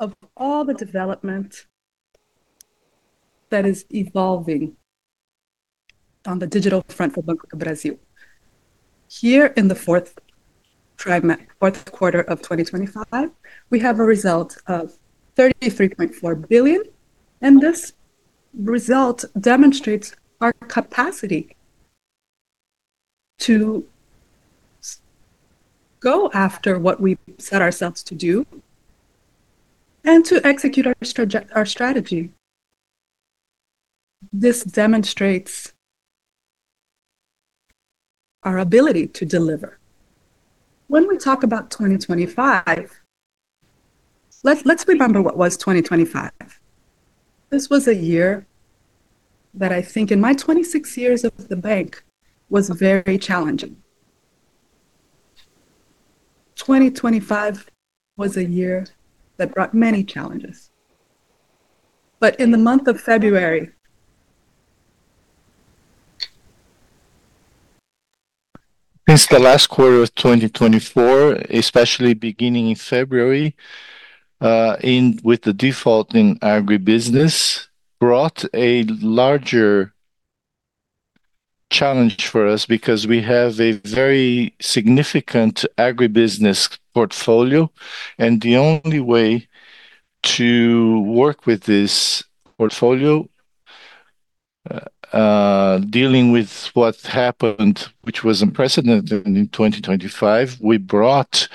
Of all the development that is evolving on the digital front of Banco do Brasil. Here in the fourth quarter of 2025, we have a result of 33.4 billion, and this result demonstrates our capacity to go after what we set ourselves to do, and to execute our strategy. This demonstrates our ability to deliver. When we talk about 2025, let's, let's remember what was 2025. This was a year that I think in my 26 years of the bank, was very challenging. 2025 was a year that brought many challenges. But in the month of February, since the last quarter of 2024, especially beginning in February, in with the default in agribusiness, brought a larger challenge for us because we have a very significant agribusiness portfolio, and the only way to work with this portfolio, dealing with what happened, which was unprecedented in 2025, we brought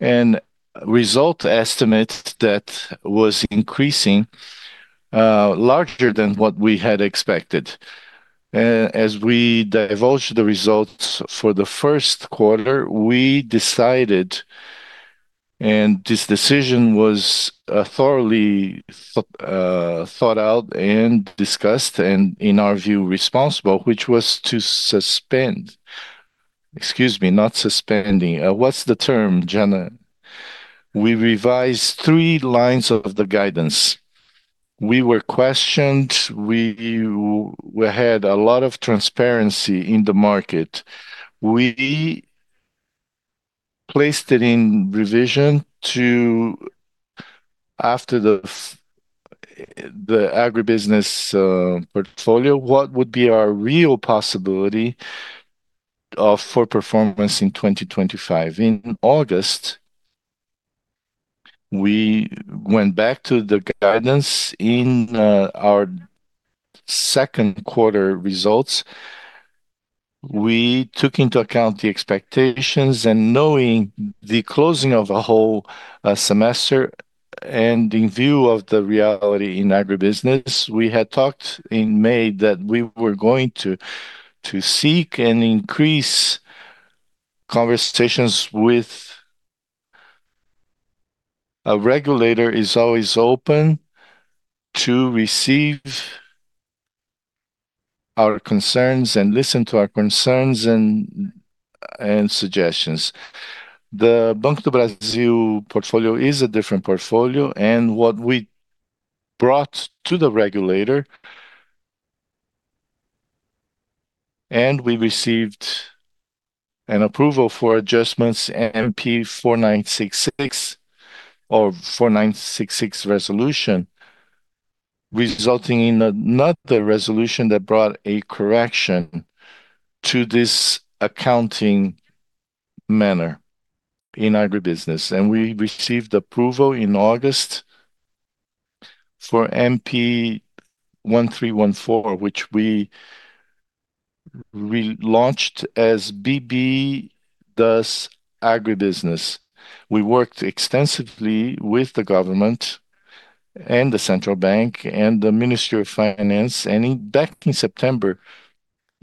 an result estimate that was increasing, larger than what we had expected. As we divulged the results for the first quarter, we decided, and this decision was, thoroughly thought out and discussed, and in our view, responsible, which was to suspend. Excuse me, not suspending. What's the term, Janaína? We revised three lines of the guidance. We were questioned. We had a lot of transparency in the market. We placed it in revision to, after the agribusiness portfolio, what would be our real possibility for performance in 2025? In August, we went back to the guidance in our second quarter results. We took into account the expectations and knowing the closing of a whole semester, and in view of the reality in agribusiness, we had talked in May that we were going to seek and increase conversations with, a regulator is always open to receive our concerns and listen to our concerns and suggestions. The Banco do Brasil portfolio is a different portfolio, and what we brought to the regulator, and we received an approval for adjustments MP 4966 or 4966 resolution, resulting in a not the resolution that brought a correction to this accounting manner in agribusiness. We received approval in August for MP 1314, which we launched as BB Faz Agro. We worked extensively with the government, the central bank, and the Ministry of Finance, and back in September,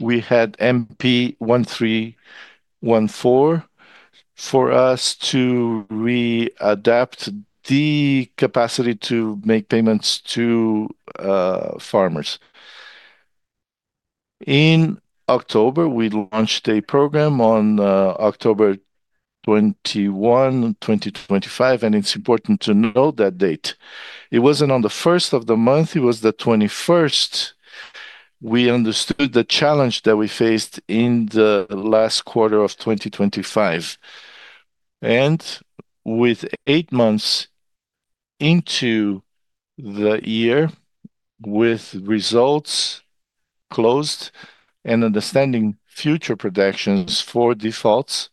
we had MP 1314 for us to re-adapt the capacity to make payments to farmers. In October, we launched a program on October 21st, 2025, and it's important to note that date. It wasn't on the first of the month, it was the 21st. We understood the challenge that we faced in the last quarter of 2025, and with eight months into the year, with results closed and understanding future predictions for defaults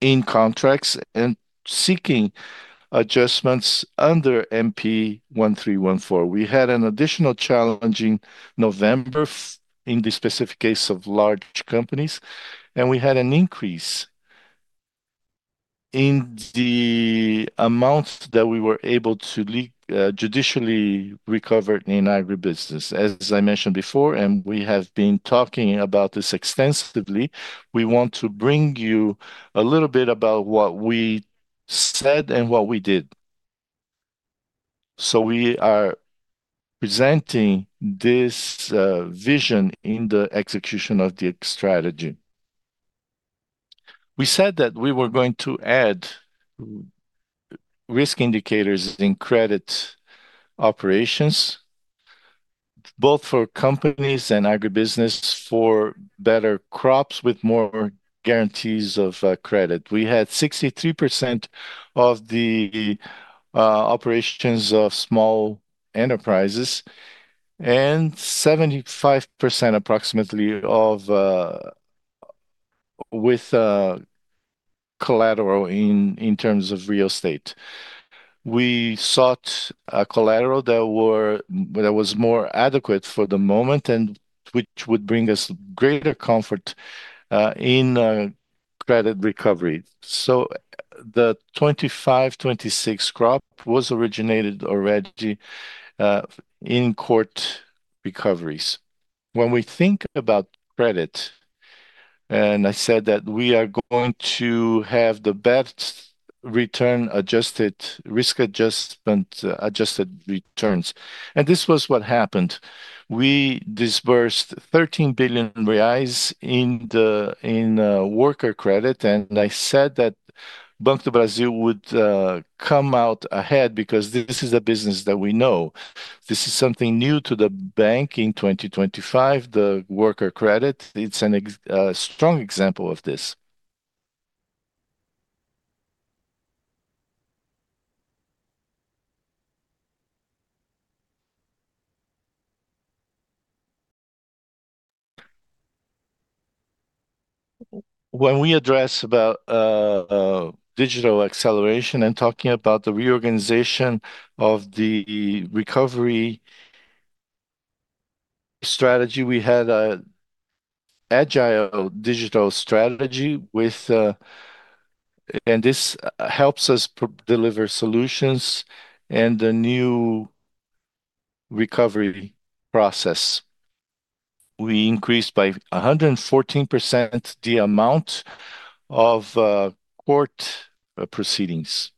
in contracts and seeking adjustments under MP 1314. We had an additional challenge in November, in the specific case of large companies, and we had an increase in the amount that we were able to judicially recover in agribusiness. As I mentioned before, and we have been talking about this extensively, we want to bring you a little bit about what we said and what we did. So we are presenting this vision in the execution of the strategy. We said that we were going to add risk indicators in credit operations both for companies and agribusiness for better crops with more guarantees of credit. We had 63% of the operations of small enterprises, and 75% approximately with collateral in terms of real estate. We sought a collateral that was more adequate for the moment, and which would bring us greater comfort in credit recovery. So the 2025-2026 crop was originated already in court recoveries. When we think about credit, and I said that we are going to have the best return adjusted, risk adjusted, adjusted returns, and this was what happened. We disbursed 13 billion reais in worker credit, and I said that Banco do Brasil would come out ahead because this is a business that we know. This is something new to the bank in 2025, the worker credit; it's a strong example of this. When we address about digital acceleration and talking about the reorganization of the recovery strategy, we had a agile digital strategy with. This helps us deliver solutions and the new recovery process. We increased by 114% the amount of court proceedings.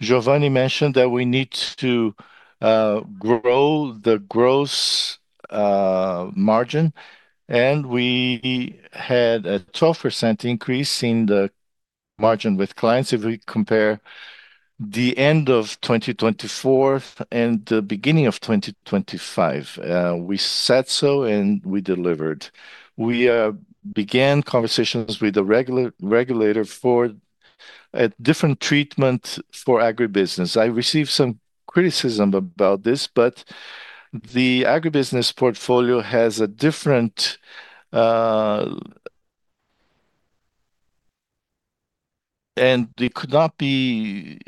Geovanne mentioned that we need to grow the gross margin, and we had a 12% increase in the margin with clients, if we compare the end of 2024 and the beginning of 2025. We said so, and we delivered. We began conversations with the regulator for a different treatment for agribusiness. I received some criticism about this, but the agribusiness portfolio has a different, it could not be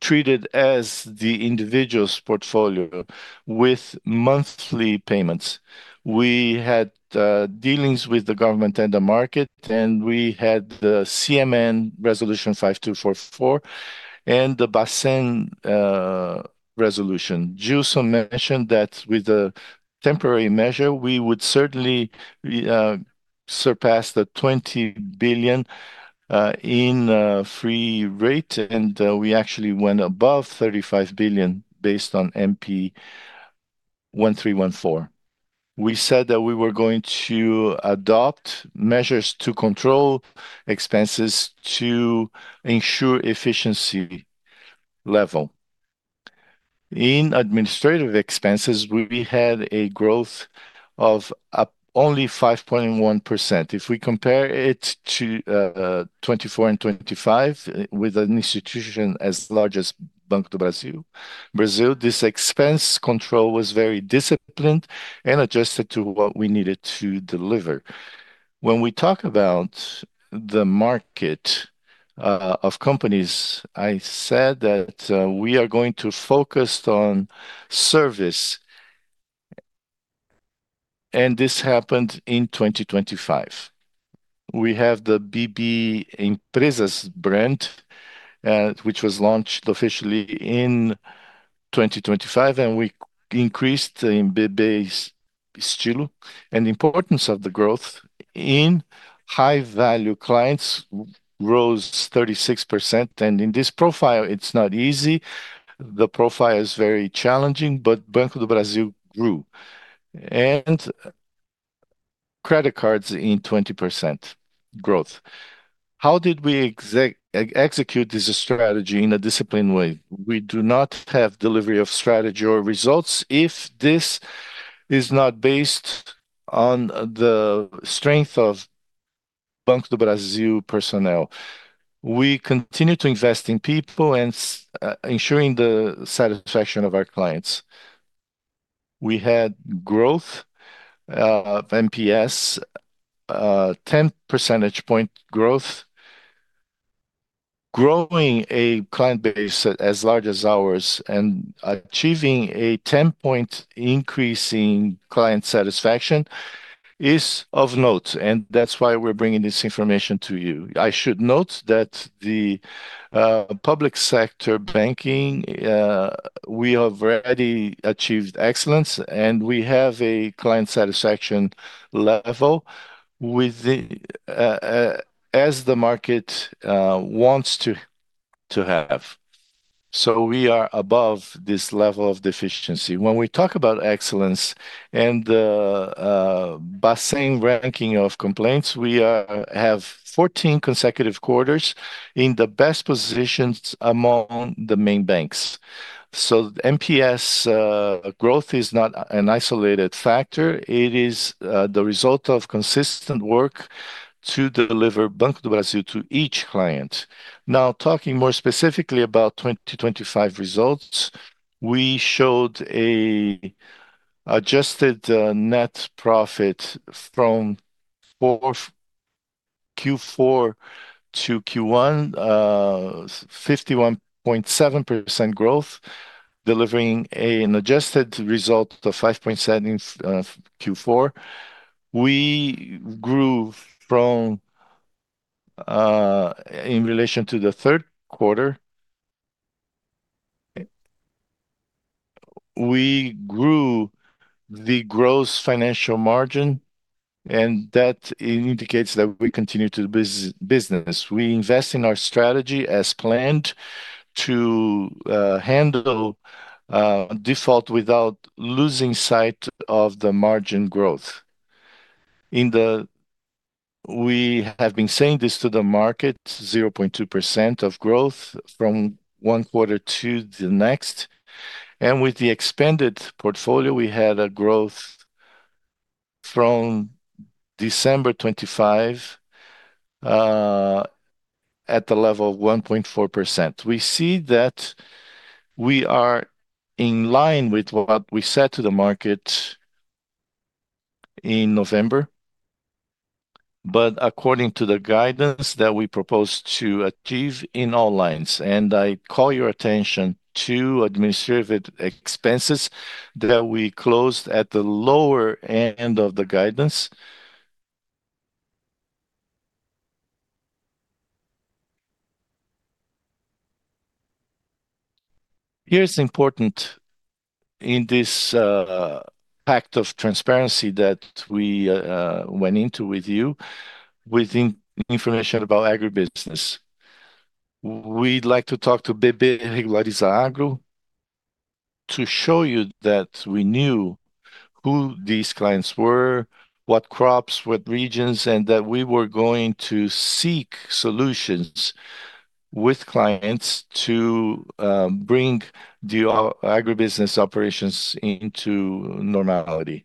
treated as the individual's portfolio with monthly payments. We had dealings with the government and the market, and we had the CMN Resolution 5244, and the BACEN resolution. Gilson mentioned that with the temporary measure, we would certainly surpass the 20 billion in free rate, and we actually went above 35 billion based on MP 1314. We said that we were going to adopt measures to control expenses to ensure efficiency level. In administrative expenses, we had a growth of only 5.1%. If we compare it to 2024 and 2025, with an institution as large as Banco do Brasil, this expense control was very disciplined and adjusted to what we needed to deliver. When we talk about the market of companies, I said that we are going to focus on service, and this happened in 2025. We have the BB Empresas brand, which was launched officially in 2025, and we increased the BB Estilo, and the importance of the growth in high-value clients rose 36%. In this profile, it's not easy. The profile is very challenging, but Banco do Brasil grew. Credit cards in 20% growth. How did we execute this strategy in a disciplined way? We do not have delivery of strategy or results if this is not based on the strength of Banco do Brasil personnel. We continue to invest in people and ensuring the satisfaction of our clients. We had growth of NPS, 10 percentage point growth. Growing a client base as large as ours and achieving a 10-point increase in client satisfaction is of note, and that's why we're bringing this information to you. I should note that the public sector banking, we have already achieved excellence, and we have a client satisfaction level as the market wants to have. So we are above this level of deficiency. When we talk about excellence and the BACEN ranking of complaints, we have 14 consecutive quarters in the best positions among the main banks. So NPS growth is not an isolated factor, it is the result of consistent work to deliver Banco do Brasil to each client. Now, talking more specifically about 2025 results, we showed an adjusted net profit from Q4 to Q1, 51.7% growth, delivering an adjusted result of 5.7 Q4. We grew from, in relation to the third quarter, we grew the gross financial margin, and that indicates that we continue to business. We invest in our strategy as planned to handle default without losing sight of the margin growth. We have been saying this to the market, 0.2% of growth from one quarter to the next, and with the expanded portfolio, we had a growth from December 2025 at the level of 1.4%. We see that we are in line with what we said to the market in November, but according to the guidance that we propose to achieve in all lines, and I call your attention to administrative expenses that we closed at the lower end of the guidance. Here's important in this, pact of transparency that we, went into with you, with information about agribusiness. We'd like to talk to BB Regulariza Agro to show you that we knew who these clients were, what crops, what regions, and that we were going to seek solutions with clients to, bring the agribusiness operations into normality.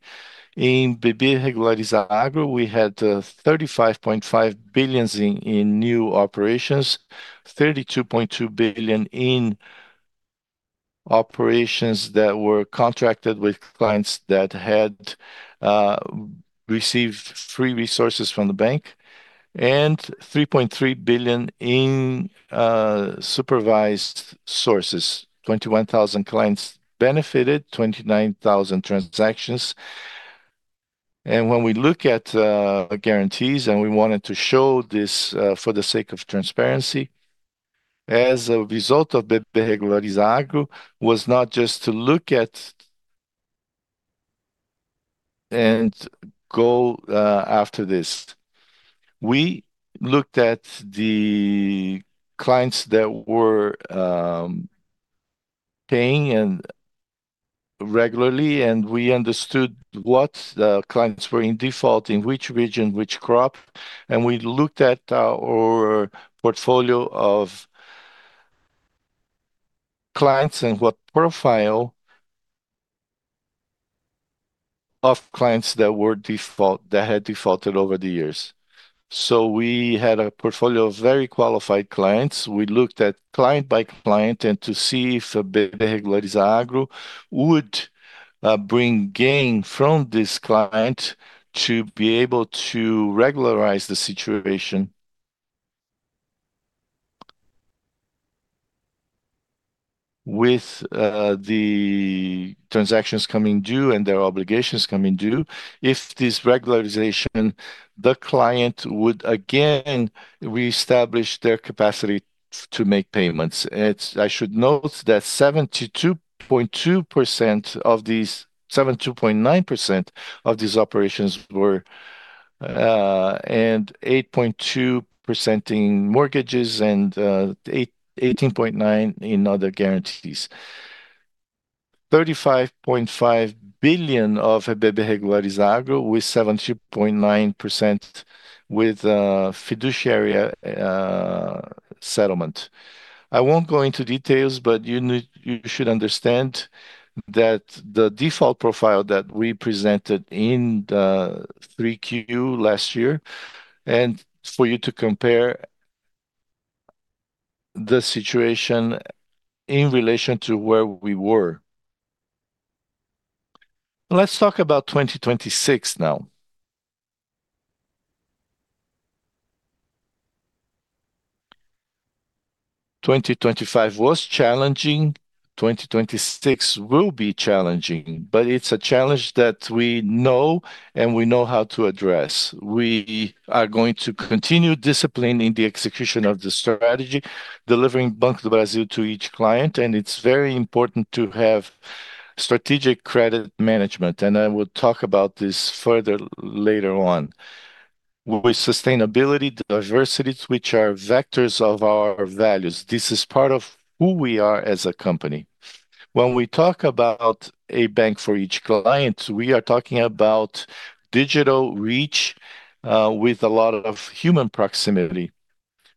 In BB Regulariza Agro, we had 35.5 billion in new operations, 32.2 billion in operations that were contracted with clients that had received free resources from the bank, and 3.3 billion in supervised sources. 21,000 clients benefited, 29,000 transactions. And when we look at, guarantees, and we wanted to show this, for the sake of transparency, as a result of the BB Regulariza Agro, was not just to look at and go, after this. We looked at the clients that were paying and regularly, and we understood what the clients were in default, in which region, which crop, and we looked at our portfolio of clients and what profile of clients that were default-- that had defaulted over the years. So we had a portfolio of very qualified clients. We looked at client by client, and to see if BB Regulariza Agro would bring gain from this client to be able to regularize the situation with the transactions coming due and their obligations coming due. If this regularization, the client would again reestablish their capacity to make payments. It's. I should note that 72.2% of these, 72.9% of these operations were, and 8.2% in mortgages, and 18.9% in other guarantees. 35.5 billion of BB Regulariza Agro, with 70.9% with fiduciary settlement. I won't go into details, but you need—you should understand that the default profile that we presented in the 3Q last year, and for you to compare the situation in relation to where we were. Let's talk about 2026 now. 2025 was challenging, 2026 will be challenging. But it's a challenge that we know and we know how to address. We are going to continue disciplining the execution of the strategy, delivering Banco do Brasil to each client, and it's very important to have strategic credit management, and I will talk about this further later on. With sustainability, diversity, which are vectors of our values. This is part of who we are as a company. When we talk about a bank for each client, we are talking about digital reach, with a lot of human proximity.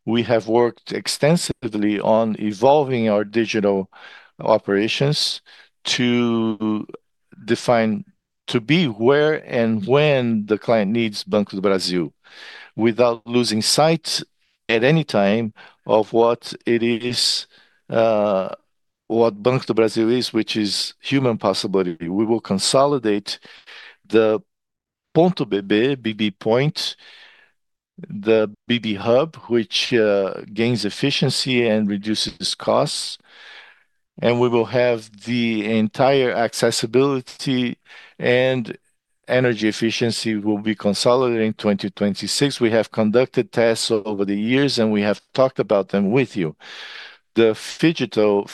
We have worked extensively on evolving our digital operations to define, to be where and when the client needs Banco do Brasil, without losing sight at any time of what it is, what Banco do Brasil is, which is human possibility. We will consolidate the Ponto BB, BB Point, the BB Hub, which, gains efficiency and reduces costs, and we will have the entire accessibility and energy efficiency will be consolidated in 2026. We have conducted tests over the years, and we have talked about them with you. The phygital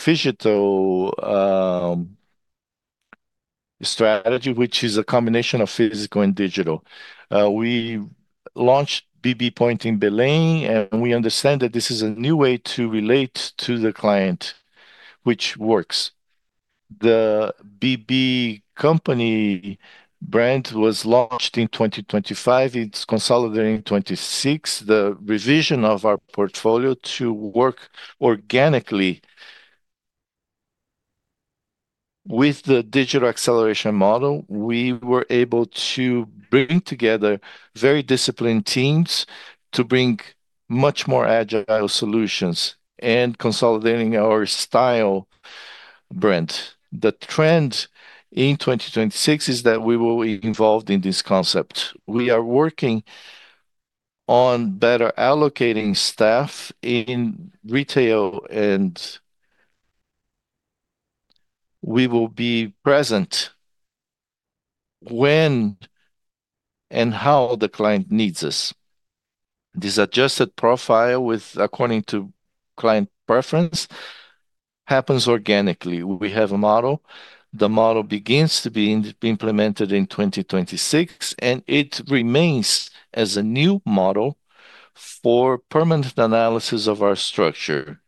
strategy, which is a combination of physical and digital. We launched BB Point in Belém, and we understand that this is a new way to relate to the client, which works. The BB Company brand was launched in 2025. It's consolidating in 2026. The revision of our portfolio to work organically with the digital acceleration model, we were able to bring together very disciplined teams to bring much more agile solutions and consolidating our style brand. The trend in 2026 is that we will be involved in this concept. We are working on better allocating staff in retail, and we will be present when and how the client needs us. This adjusted profile with according to client preference, happens organically. We have a model. The model begins to be implemented in 2026, and it remains as a new model for permanent analysis of our structure.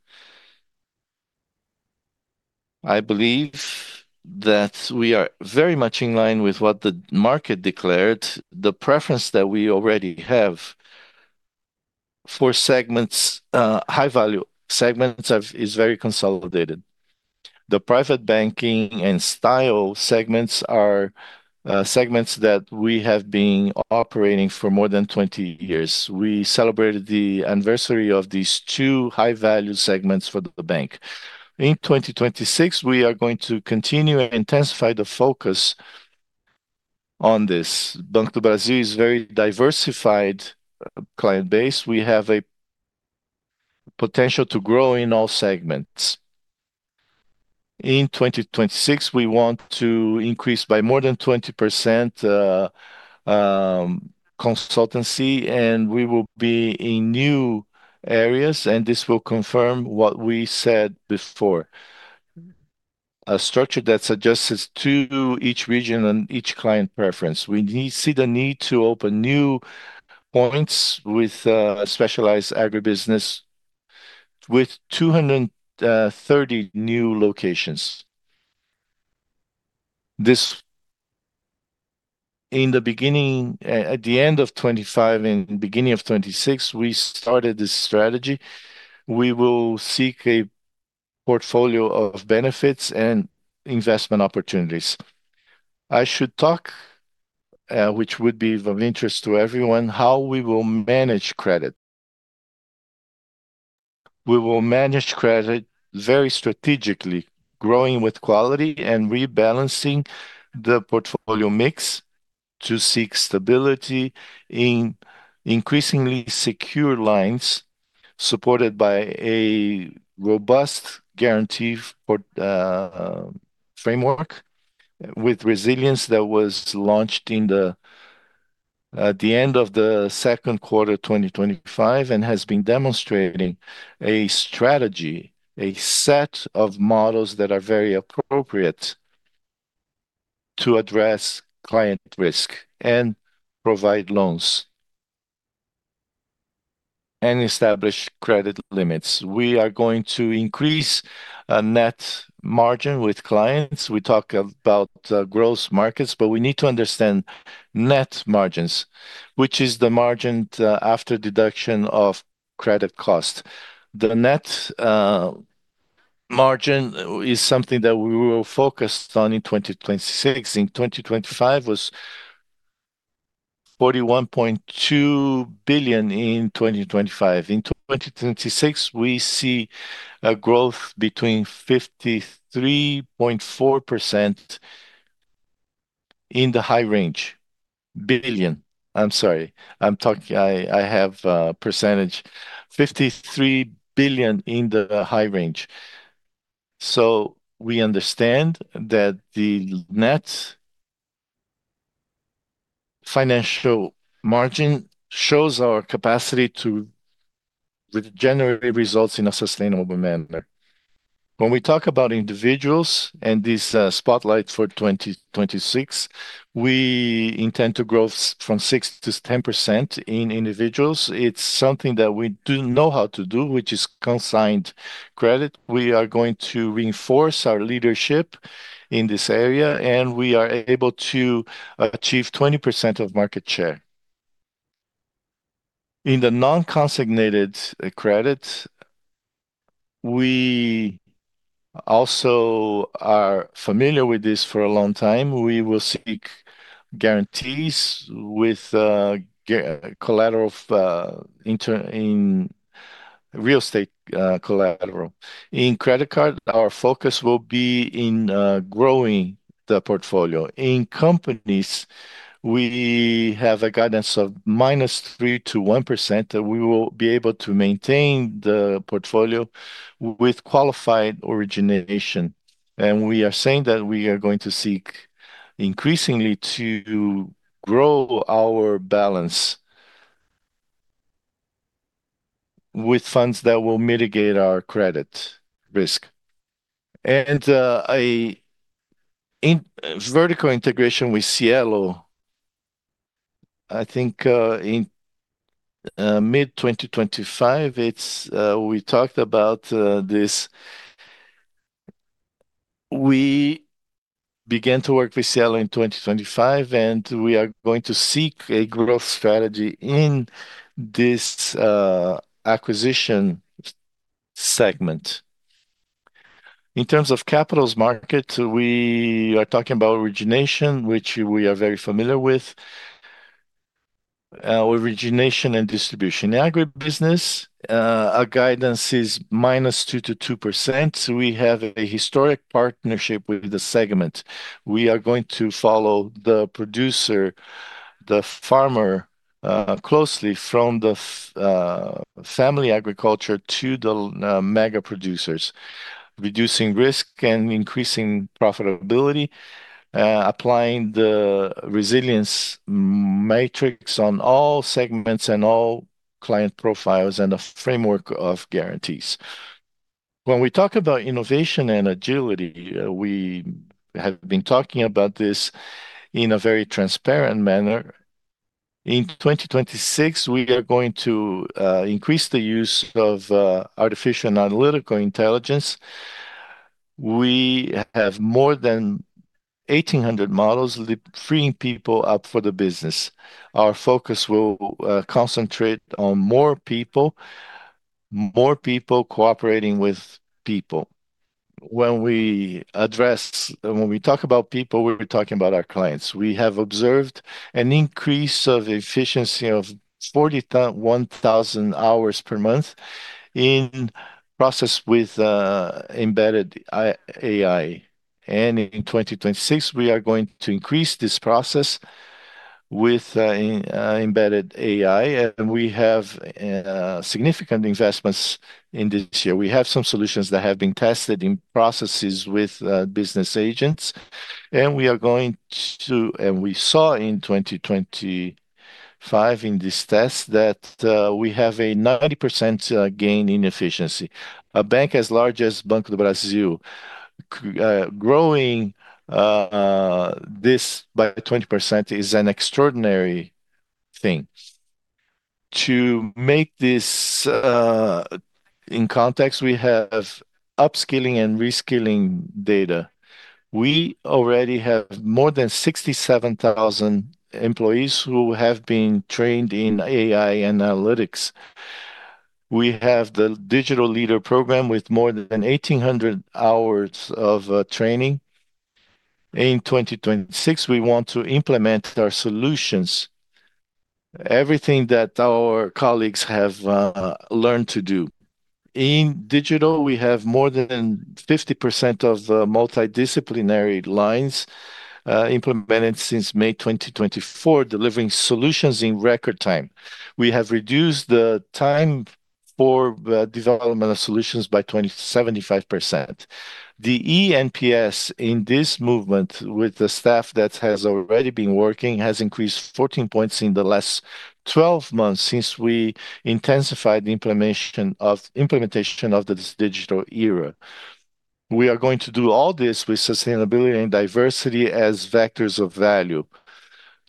I believe that we are very much in line with what the market declared. The preference that we already have for segments, high-value segments is very consolidated. The private banking and style segments are segments that we have been operating for more than 20 years. We celebrated the anniversary of these two high-value segments for the bank. In 2026, we are going to continue and intensify the focus on this. Banco do Brasil is very diversified client base. We have a potential to grow in all segments. In 2026, we want to increase by more than 20%, consultancy, and we will be in new areas, and this will confirm what we said before. A structure that suggests us to each region and each client preference. We see the need to open new points with specialized agribusiness with 230 new locations. This, at the end of 2025 and beginning of 2026, we started this strategy. We will seek a portfolio of benefits and investment opportunities. I should talk, which would be of interest to everyone, how we will manage credit. We will manage credit very strategically, growing with quality and rebalancing the portfolio mix to seek stability in increasingly secure lines, supported by a robust guarantee for framework, with resilience that was launched in the end of the second quarter of 2025, and has been demonstrating a strategy, a set of models that are very appropriate to address client risk and provide loans, and establish credit limits. We are going to increase a net margin with clients. We talk about, gross markets, but we need to understand net margins, which is the margin, after deduction of credit cost. The net margin is something that we were focused on in 2026. In 2025, was 41.2 billion in 2025. In 2026, we see a growth between 53.4% in the high range. Billion, I'm sorry. I'm talking. I have percentage. 53 billion in the high range. So we understand that the net financial margin shows our capacity to which generally results in a sustainable manner. When we talk about individuals and this spotlight for 2026, we intend to grow from 6%-10% in individuals. It's something that we do know how to do, which is consigned credit. We are going to reinforce our leadership in this area, and we are able to achieve 20% of market share. In the non-consigned credit, we also are familiar with this for a long time. We will seek guarantees with collateral of interest in real estate collateral. In credit card, our focus will be in growing the portfolio. In companies, we have a guidance of -3% to 1%, that we will be able to maintain the portfolio with qualified origination. We are saying that we are going to seek increasingly to grow our balance with funds that will mitigate our credit risk. Vertical integration with Cielo, I think, in mid-2025, we talked about this. We began to work with Cielo in 2025, and we are going to seek a growth strategy in this acquiring segment. In terms of capital markets, we are talking about origination, which we are very familiar with. Origination and distribution. In agribusiness, our guidance is -2% to 2%, so we have a historic partnership with the segment. We are going to follow the producer, the farmer, closely from the family agriculture to the mega producers, reducing risk and increasing profitability, applying the resilience matrix on all segments and all client profiles, and a framework of guarantees. When we talk about innovation and agility, we have been talking about this in a very transparent manner. In 2026, we are going to increase the use of artificial analytical intelligence. We have more than 1,800 models, freeing people up for the business. Our focus will concentrate on more people, more people cooperating with people. When we talk about people, we're talking about our clients. We have observed an increase of efficiency of 41,000 hours per month in process with embedded AI. In 2026, we are going to increase this process with embedded AI, and we have significant investments in this year. We have some solutions that have been tested in processes with business agents, and we saw in 2025, in this test, that we have a 90% gain in efficiency. A bank as large as Banco do Brasil, growing this by 20% is an extraordinary thing. To make this in context, we have upskilling and reskilling data. We already have more than 67,000 employees who have been trained in AI analytics. We have the digital leader program with more than 1,800 hours of training. In 2026, we want to implement our solutions, everything that our colleagues have learned to do. In digital, we have more than 50% of the multidisciplinary lines implemented since May 2024, delivering solutions in record time. We have reduced the time for the development of solutions by 20%-75%. The eNPS in this movement with the staff that has already been working has increased 14 points in the last 12 months since we intensified the implementation of this digital era. We are going to do all this with sustainability and diversity as vectors of value.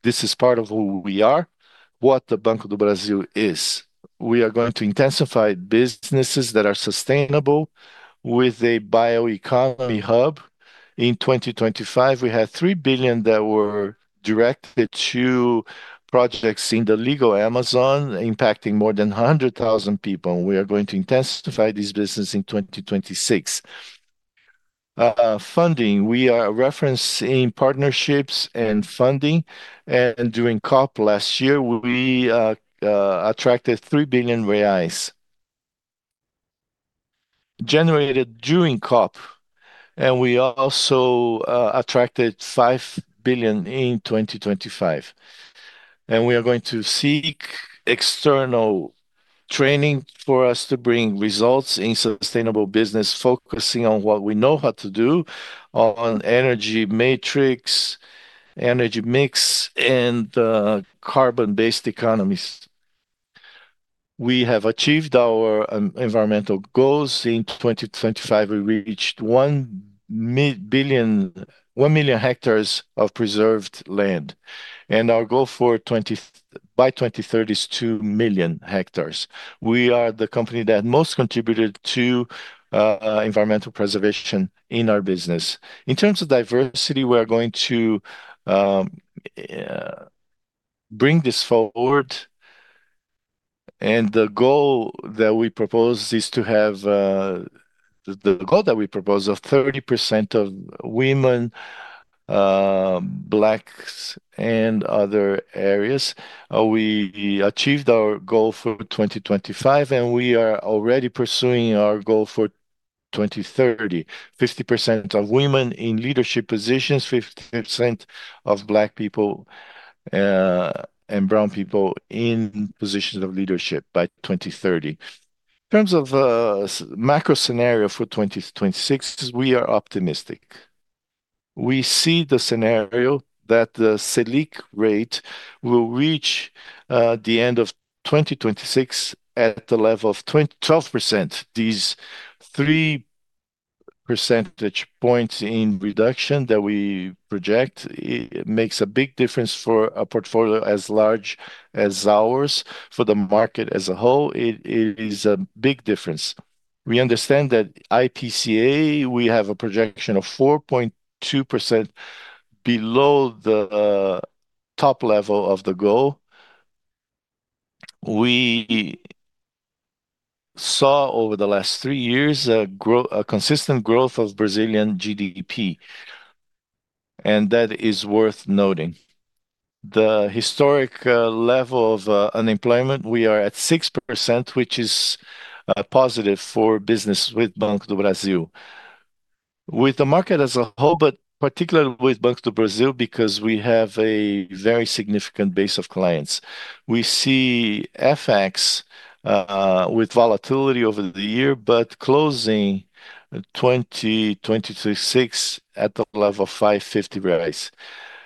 This is part of who we are, what the Banco do Brasil is. We are going to intensify businesses that are sustainable with a bioeconomy hub. In 2025, we had 3 billion that were directed to projects in the Legal Amazon, impacting more than 100,000 people, and we are going to intensify this business in 2026. Funding, we are referencing partnerships and funding, and during COP last year, we attracted BRL 3 billion, generated during COP, and we also attracted 5 billion in 2025. We are going to seek external training for us to bring results in sustainable business, focusing on what we know how to do on energy matrix, energy mix, and carbon-based economies. We have achieved our environmental goals. In 2025, we reached 1 million hectares of preserved land, and our goal by 2030 is 2 million hectares. We are the company that most contributed to environmental preservation in our business. In terms of diversity, we are going to bring this forward, and the goal that we propose is to have. The goal that we propose of 30% of women, blacks, and other areas. We achieved our goal for 2025, and we are already pursuing our goal for 2030. 50% of women in leadership positions, 50% of black people, and brown people in positions of leadership by 2030. In terms of macro scenario for 2026, we are optimistic. We see the scenario that the Selic rate will reach the end of 2026 at the level of 12%. These 3 percentage points in reduction that we project, it makes a big difference for a portfolio as large as ours. For the market as a whole, it is a big difference. We understand that IPCA, we have a projection of 4.2% below the top level of the goal. We saw over the last 3 years a consistent growth of Brazilian GDP, and that is worth noting. The historic level of unemployment, we are at 6%, which is positive for business with Banco do Brasil. With the market as a whole, but particularly with Banco do Brasil, because we have a very significant base of clients. We see FX with volatility over the year, but closing 2026 at the level of 5.50.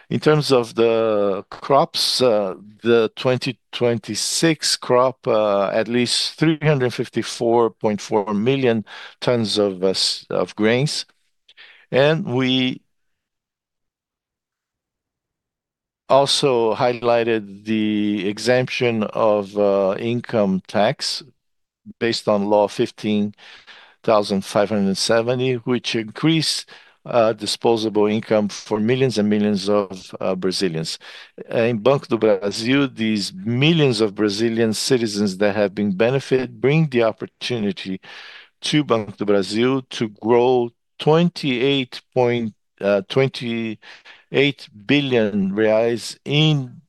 In terms of the crops, the 2026 crop, at least 354.4 million tons of grains, and we also highlighted the exemption of income tax based on law 15,570, which increased disposable income for millions and millions of Brazilians. In Banco do Brasil, these millions of Brazilian citizens that have been benefited bring the opportunity to Banco do Brasil to grow 28.28 billion reais in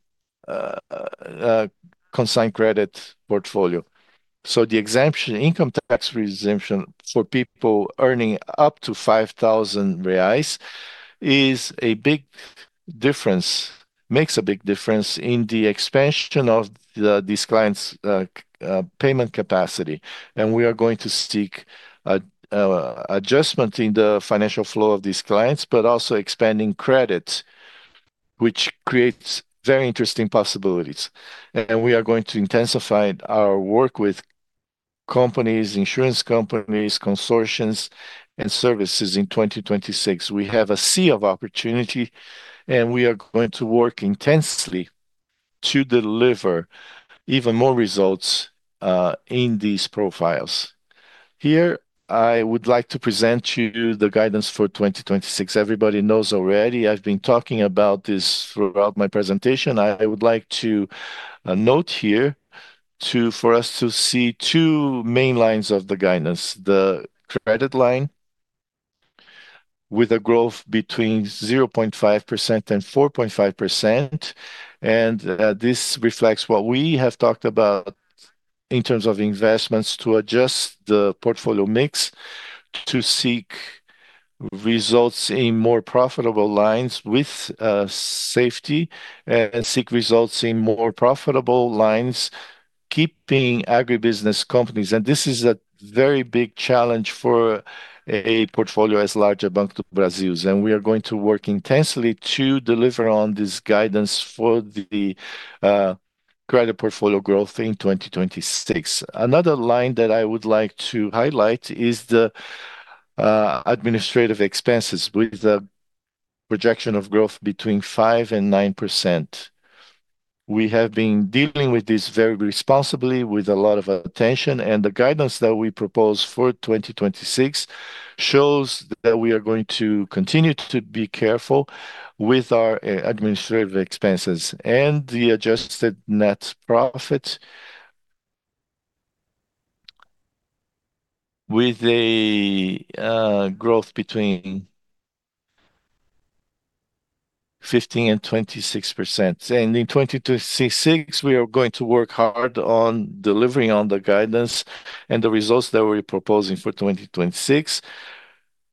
consigned credit portfolio. So the exemption, income tax exemption for people earning up to 5,000 reais is a big difference, makes a big difference in the expansion of the, these clients', payment capacity, and we are going to seek a adjustment in the financial flow of these clients, but also expanding credit, which creates very interesting possibilities. And we are going to intensify our work with companies, insurance companies, consortiums, and services in 2026. We have a sea of opportunity, and we are going to work intensely to deliver even more results in these profiles. Here, I would like to present to you the guidance for 2026. Everybody knows already, I've been talking about this throughout my presentation. I would like to note here, for us to see two main lines of the guidance: the credit line, with a growth between 0.5% and 4.5%, and this reflects what we have talked about in terms of investments to adjust the portfolio mix to seek results in more profitable lines with safety, and seek results in more profitable lines, keeping agribusiness companies. And this is a very big challenge for a portfolio as large as Banco do Brasil's, and we are going to work intensely to deliver on this guidance for the credit portfolio growth in 2026. Another line that I would like to highlight is the administrative expenses, with a projection of growth between 5% and 9%. We have been dealing with this very responsibly, with a lot of attention, and the guidance that we propose for 2026 shows that we are going to continue to be careful with our administrative expenses and the adjusted net profit with a growth between 15% and 26%. And in 2026, we are going to work hard on delivering on the guidance and the results that we're proposing for 2026,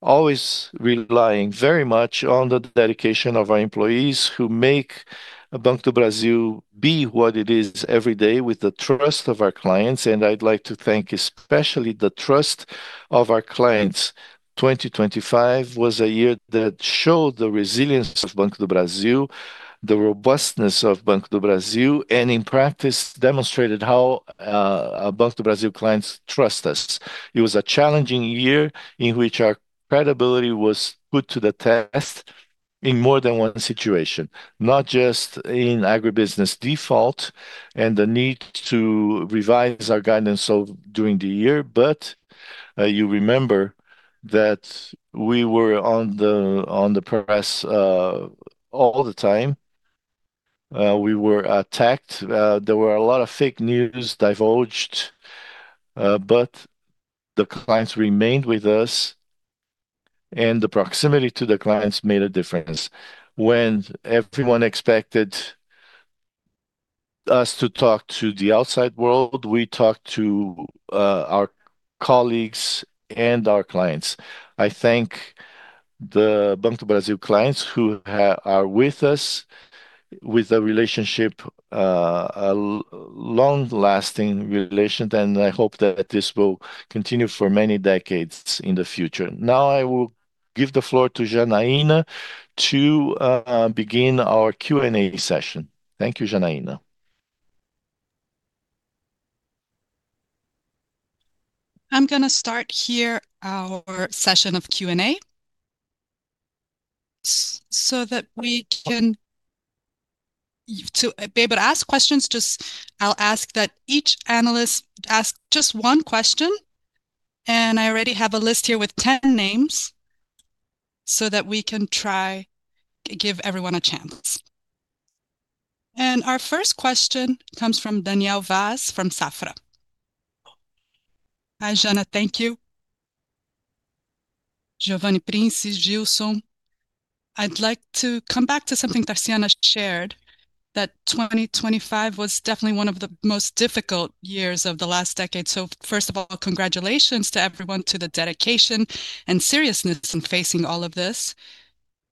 always relying very much on the dedication of our employees, who make Banco do Brasil be what it is every day with the trust of our clients, and I'd like to thank especially the trust of our clients. 2025 was a year that showed the resilience of Banco do Brasil, the robustness of Banco do Brasil, and in practice, demonstrated how Banco do Brasil clients trust us. It was a challenging year in which our credibility was put to the test in more than one situation, not just in agribusiness default and the need to revise our guidance, so during the year, but, you remember that we were on the, on the press, all the time. We were attacked, there were a lot of fake news divulged, but the clients remained with us, and the proximity to the clients made a difference. When everyone expected us to talk to the outside world, we talked to, our colleagues and our clients. I thank the Banco do Brasil clients who are with us, with a relationship, a long-lasting relationship, and I hope that this will continue for many decades in the future. Now, I will give the floor to Janaína to begin our Q&A session. Thank you, Janaína. I'm going to start here our session of Q&A. So that we can be able to ask questions, just I'll ask that each analyst ask just one question, and I already have a list here with 10 names, so that we can try to give everyone a chance. And our first question comes from Daniel Vaz from Safra. Hi, Jana. Thank you. Geovanne, Prince, Gilson. I'd like to come back to something Tarciana shared, that 2025 was definitely one of the most difficult years of the last decade. So first of all, congratulations to everyone, to the dedication and seriousness in facing all of this.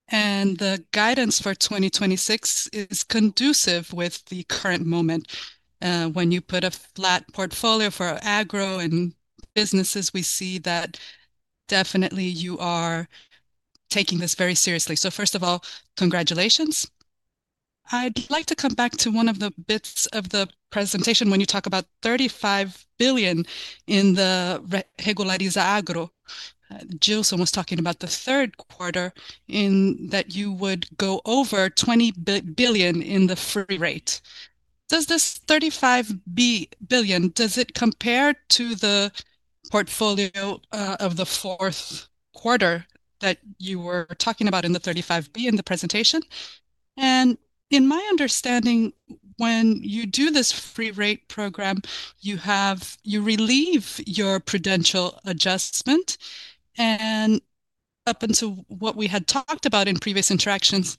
And the guidance for 2026 is conducive with the current moment. When you put a flat portfolio for agro and businesses, we see that definitely you are taking this very seriously. So first of all, congratulations. I'd like to come back to one of the bits of the presentation when you talk about 35 billion in the Regulariza Agro. Gilson was talking about the third quarter, in that you would go over 20 billion in the free rate. Does this 35 billion, does it compare to the portfolio, of the fourth quarter that you were talking about in the 35 billion in the presentation? And in my understanding, when you do this free rate program, you relieve your prudential adjustment, and up until what we had talked about in previous interactions,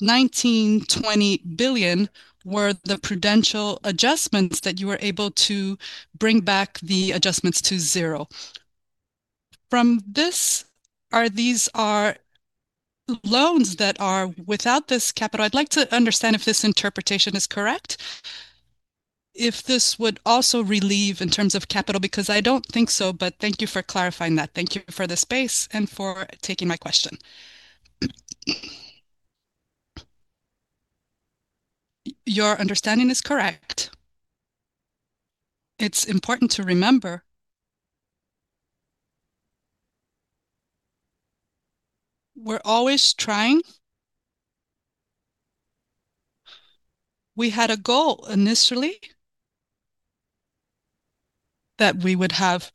19 billion, 20 billion were the prudential adjustments that you were able to bring back the adjustments to zero. From this, are these loans that are without this capital? I'd like to understand if this interpretation is correct, if this would also relieve in terms of capital, because I don't think so, but thank you for clarifying that. Thank you for the space and for taking my question. Your understanding is correct. It's important to remember we're always trying. We had a goal initially, that we would have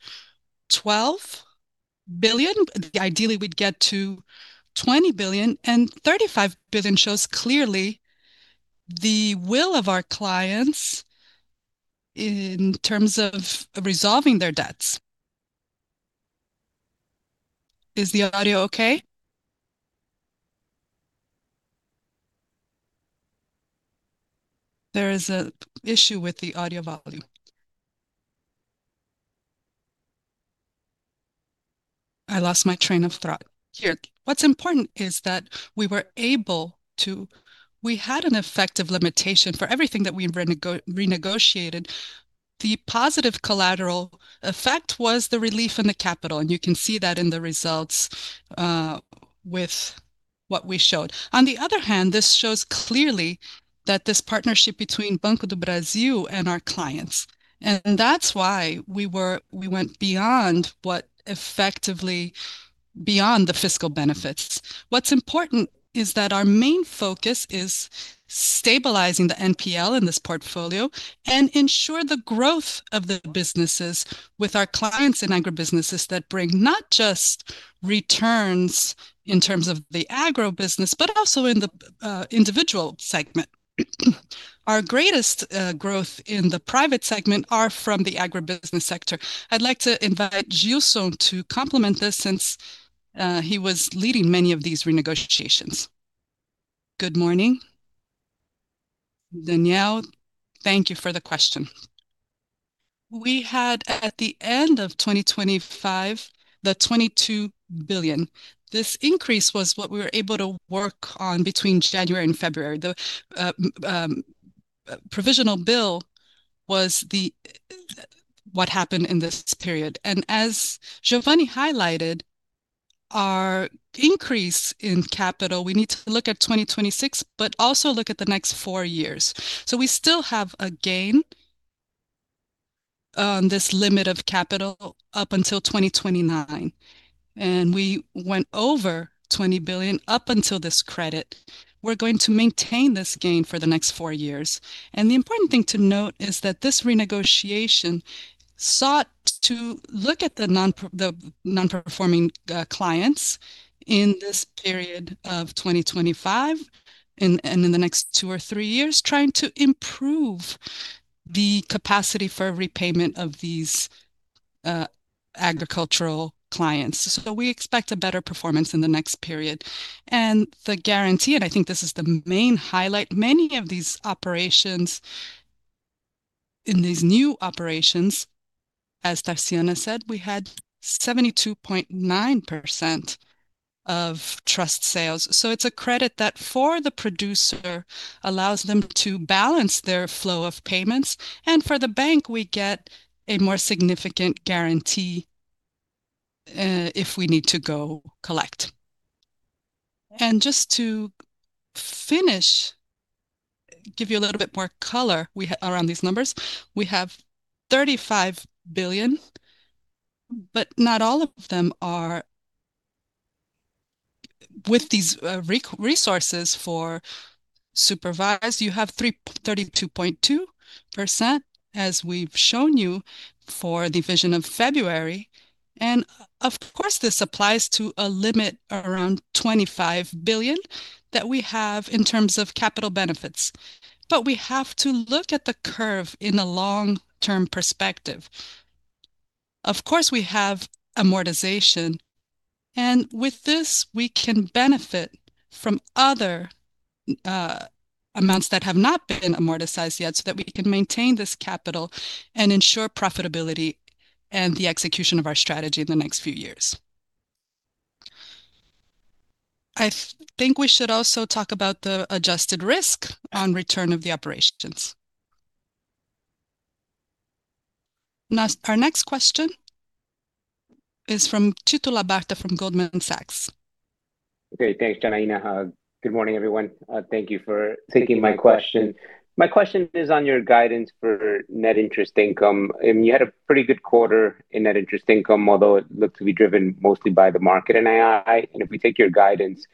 12 billion, ideally, we'd get to 20 billion, and 35 billion shows clearly the will of our clients in terms of resolving their debts. Is the audio okay? There is an issue with the audio volume. I lost my train of thought. Here. What's important is that we were able to. We had an effective limitation for everything that we renegotiated. The positive collateral effect was the relief in the capital, and you can see that in the results, with what we showed. On the other hand, this shows clearly that this partnership between Banco do Brasil and our clients, and that's why we went beyond what effectively, beyond the fiscal benefits. What's important is that our main focus is stabilizing the NPL in this portfolio and ensure the growth of the businesses with our clients in agribusinesses that bring not just returns in terms of the agro business, but also in the individual segment. Our greatest growth in the private segment are from the agribusiness sector. I'd like to invite Gilson to complement this, since he was leading many of these renegotiations. Good morning. Daniel, thank you for the question. We had, at the end of 2025, the 22 billion. This increase was what we were able to work on between January and February. The provisional bill was what happened in this period. And as Geovanne highlighted, our increase in capital, we need to look at 2026, but also look at the next four years. So we still have a gain this limit of capital up until 2029, and we went over 20 billion up until this credit. We're going to maintain this gain for the next four years, and the important thing to note is that this renegotiation sought to look at the non-performing clients in this period of 2025, and, and in the next 2-3 years, trying to improve the capacity for repayment of these agricultural clients. So we expect a better performance in the next period. And the guarantee, and I think this is the main highlight, many of these operations, in these new operations, as Tarciana said, we had 72.9% of trust sales. So it's a credit that, for the producer, allows them to balance their flow of payments, and for the bank, we get a more significant guarantee, if we need to go collect. And just to finish, give you a little bit more color, we have around these numbers, we have 35 billion, but not all of them are with these, resources for supervised. You have 32.2%, as we've shown you, for the version of February, and of course, this applies to a limit around 25 billion that we have in terms of capital benefits. But we have to look at the curve in the long-term perspective. Of course, we have amortization, and with this, we can benefit from other amounts that have not been amortized yet, so that we can maintain this capital and ensure profitability and the execution of our strategy in the next few years. I think we should also talk about the adjusted risk and return of the operations. Now, our next question is from Tito Labarta from Goldman Sachs. Okay, thanks, Janaína. Good morning, everyone. Thank you for taking my question. My question is on your guidance for net interest income, and you had a pretty good quarter in net interest income, although it looked to be driven mostly by the market NII. And if we take your guidance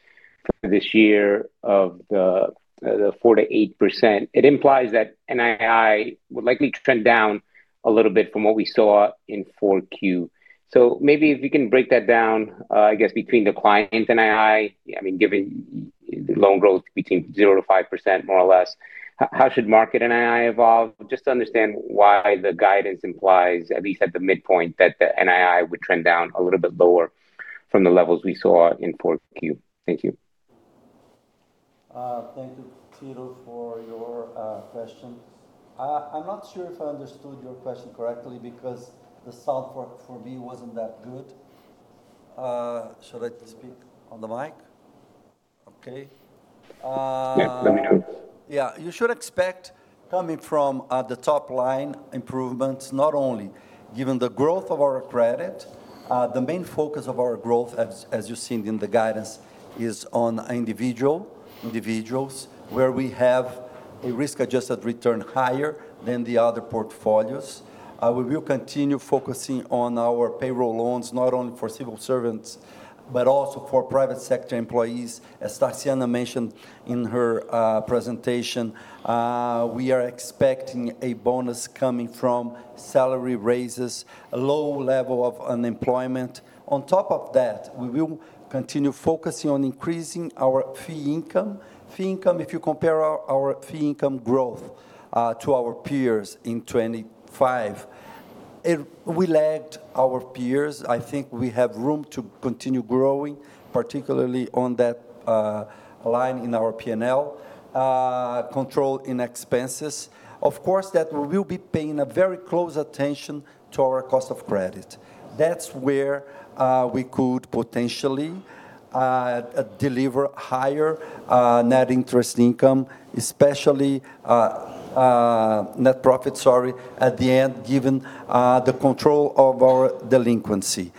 for this year of the 4%-8%, it implies that NII would likely trend down a little bit from what we saw in 4Q. So maybe if you can break that down, I guess, between the client NII, I mean, given the loan growth between 0%-5%, more or less, how should market NII evolve? Just to understand why the guidance implies, at least at the midpoint, that the NII would trend down a little bit lower from the levels we saw in 4Q. Thank you. Thank you, Tito, for your question. I'm not sure if I understood your question correctly, because the sound for me wasn't that good. Should I speak on the mic? Okay. Yeah, let me know. Yeah, you should expect, coming from the top line improvements, not only given the growth of our credit, the main focus of our growth, as you've seen in the guidance, is on individuals, where we have a risk-adjusted return higher than the other portfolios. We will continue focusing on our payroll loans, not only for civil servants, but also for private sector employees. As Tarciana mentioned in her presentation, we are expecting a bonus coming from salary raises, a low level of unemployment. On top of that, we will continue focusing on increasing our fee income. Fee income, if you compare our fee income growth to our peers in 2025, we lagged our peers. I think we have room to continue growing, particularly on that line in our P&L, control in expenses. Of course, that we will be paying a very close attention to our cost of credit. That's where we could potentially deliver higher net interest income, especially net profit, sorry, at the end, given the control of our delinquency.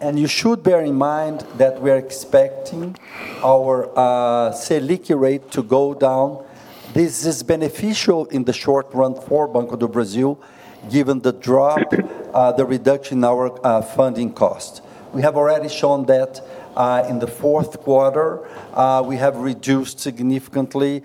And you should bear in mind that we are expecting our Selic rate to go down. This is beneficial in the short run for Banco do Brasil, given the drop, the reduction in our funding cost. We have already shown that in the fourth quarter we have reduced significantly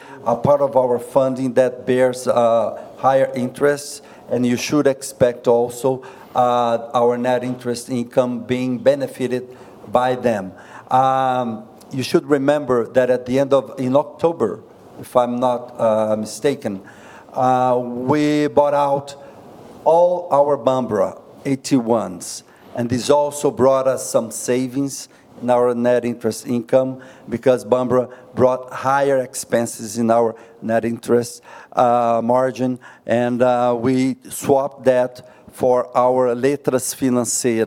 a part of our funding that bears higher interest, and you should expect also our net interest income being benefited by them. You should remember that In October, if I'm not mistaken, we bought out all our Banbra 81s, and this also brought us some savings in our net interest income, because Banbra brought higher expenses in our net interest margin, and we swapped that for our Letras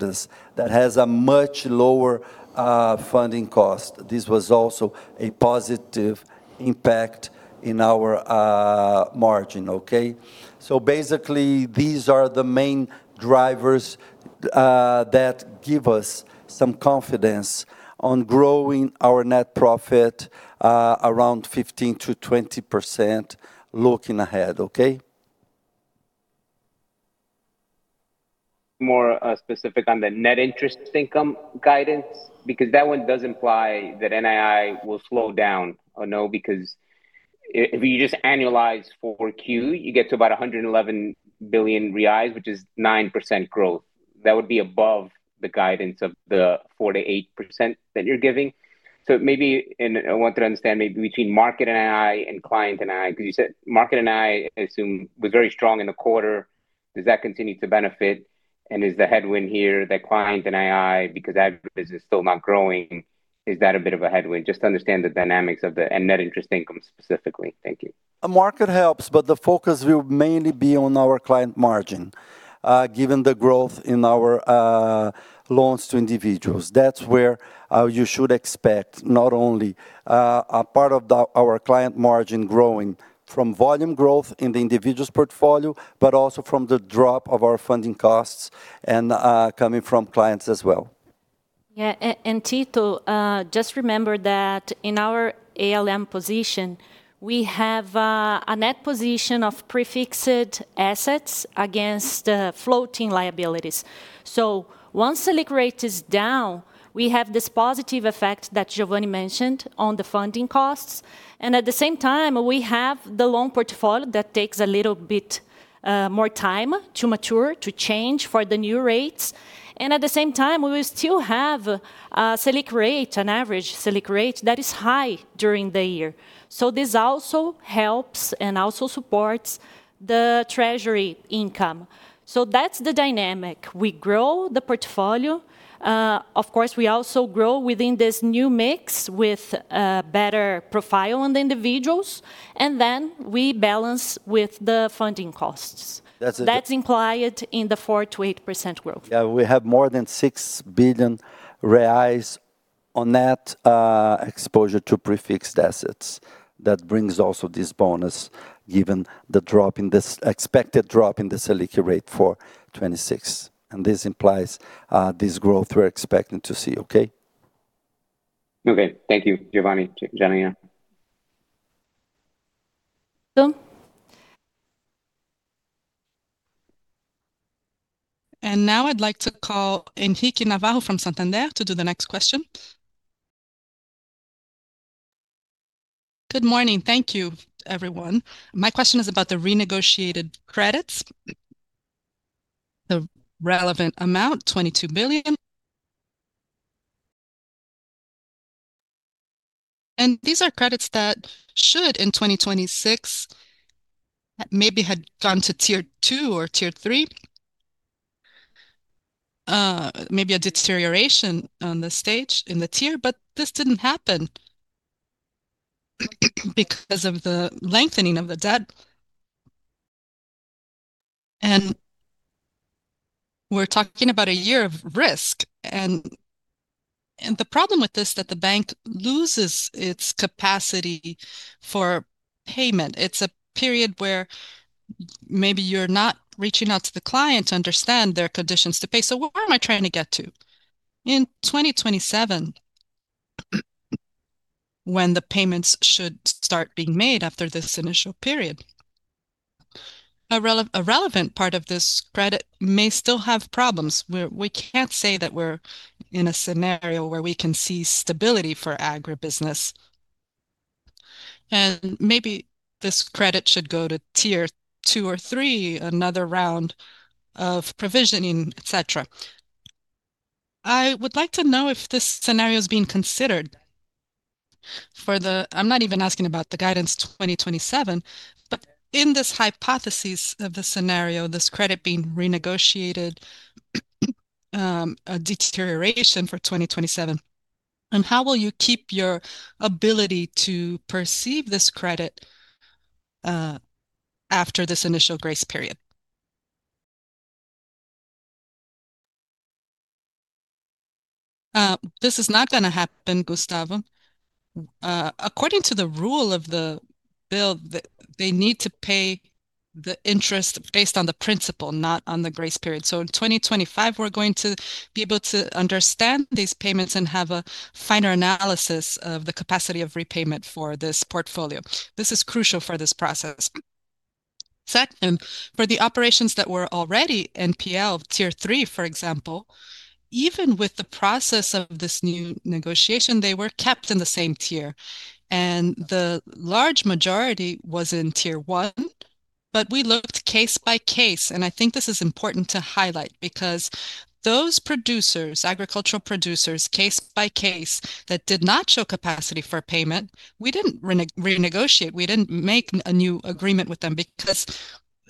Financeiras that has a much lower funding cost. This was also a positive impact in our margin. Okay? So basically, these are the main drivers that give us some confidence on growing our net profit around 15%-20% looking ahead. Okay? More specific on the net interest income guidance, because that one does imply that NII will slow down, or no? Because if you just annualize 4Q, you get to about 111 billion reais, which is 9% growth. That would be above the guidance of the 4%-8% that you're giving. So maybe, and I want to understand, maybe between market NII and client NII, because you said market NII, I assume, was very strong in the quarter. Does that continue to benefit? And is the headwind here, the client NII, because agribusiness is still not growing, is that a bit of a headwind? Just to understand the dynamics of the and net interest income specifically. Thank you. The market helps, but the focus will mainly be on our client margin, given the growth in our loans to individuals. That's where you should expect not only a part of our client margin growing from volume growth in the individuals portfolio, but also from the drop of our funding costs and coming from clients as well. Yeah, and Tito, just remember that in our ALM position, we have a net position of prefixed assets against floating liabilities. So once the Selic rate is down, we have this positive effect that Geovanne mentioned on the funding costs, and at the same time, we have the loan portfolio that takes a little bit more time to mature, to change for the new rates. And at the same time, we will still have Selic rate, an average Selic rate, that is high during the year. So this also helps and also supports the treasury income. So that's the dynamic. We grow the portfolio. Of course, we also grow within this new mix with better profile on the individuals, and then we balance with the funding costs. That's- That's implied in the 4%-8% growth. Yeah, we have more than 6 billion reais on net exposure to prefixed assets. That brings also this bonus, given the drop in this expected drop in the Selic rate for 2026, and this implies this growth we're expecting to see. Okay? Okay. Thank you, Geovanne, Janaína. And now I'd like to call Henrique Navarro from Santander to do the next question. Good morning. Thank you, everyone. My question is about the renegotiated credits. The relevant amount, BRL 22 billion. And these are credits that should, in 2026, maybe had gone to Tier 2 or Tier 3, maybe a deterioration on the stage in the tier, but this didn't happen because of the lengthening of the debt. And we're talking about a year of risk, and the problem with this, that the bank loses its capacity for payment. It's a period where maybe you're not reaching out to the client to understand their conditions to pay. So what am I trying to get to? In 2027, when the payments should start being made after this initial period, a relevant part of this credit may still have problems. We can't say that we're in a scenario where we can see stability for agribusiness, and maybe this credit should go to Tier 2 or 3, another round of provisioning, etc. I would like to know if this scenario is being considered for the. I'm not even asking about the guidance 2027, but in this hypothesis of the scenario, this credit being renegotiated, a deterioration for 2027, and how will you keep your ability to perceive this credit, after this initial grace period? This is not gonna happen, Henrique. According to the rule of the bill, they need to pay the interest based on the principal, not on the grace period. So in 2025, we're going to be able to understand these payments and have a finer analysis of the capacity of repayment for this portfolio. This is crucial for this process. Second, for the operations that were already NPL, Tier 3, for example, even with the process of this new negotiation, they were kept in the same tier, and the large majority was in Tier 1. But we looked case by case, and I think this is important to highlight because those producers, agricultural producers, case by case, that did not show capacity for payment, we didn't renegotiate. We didn't make a new agreement with them because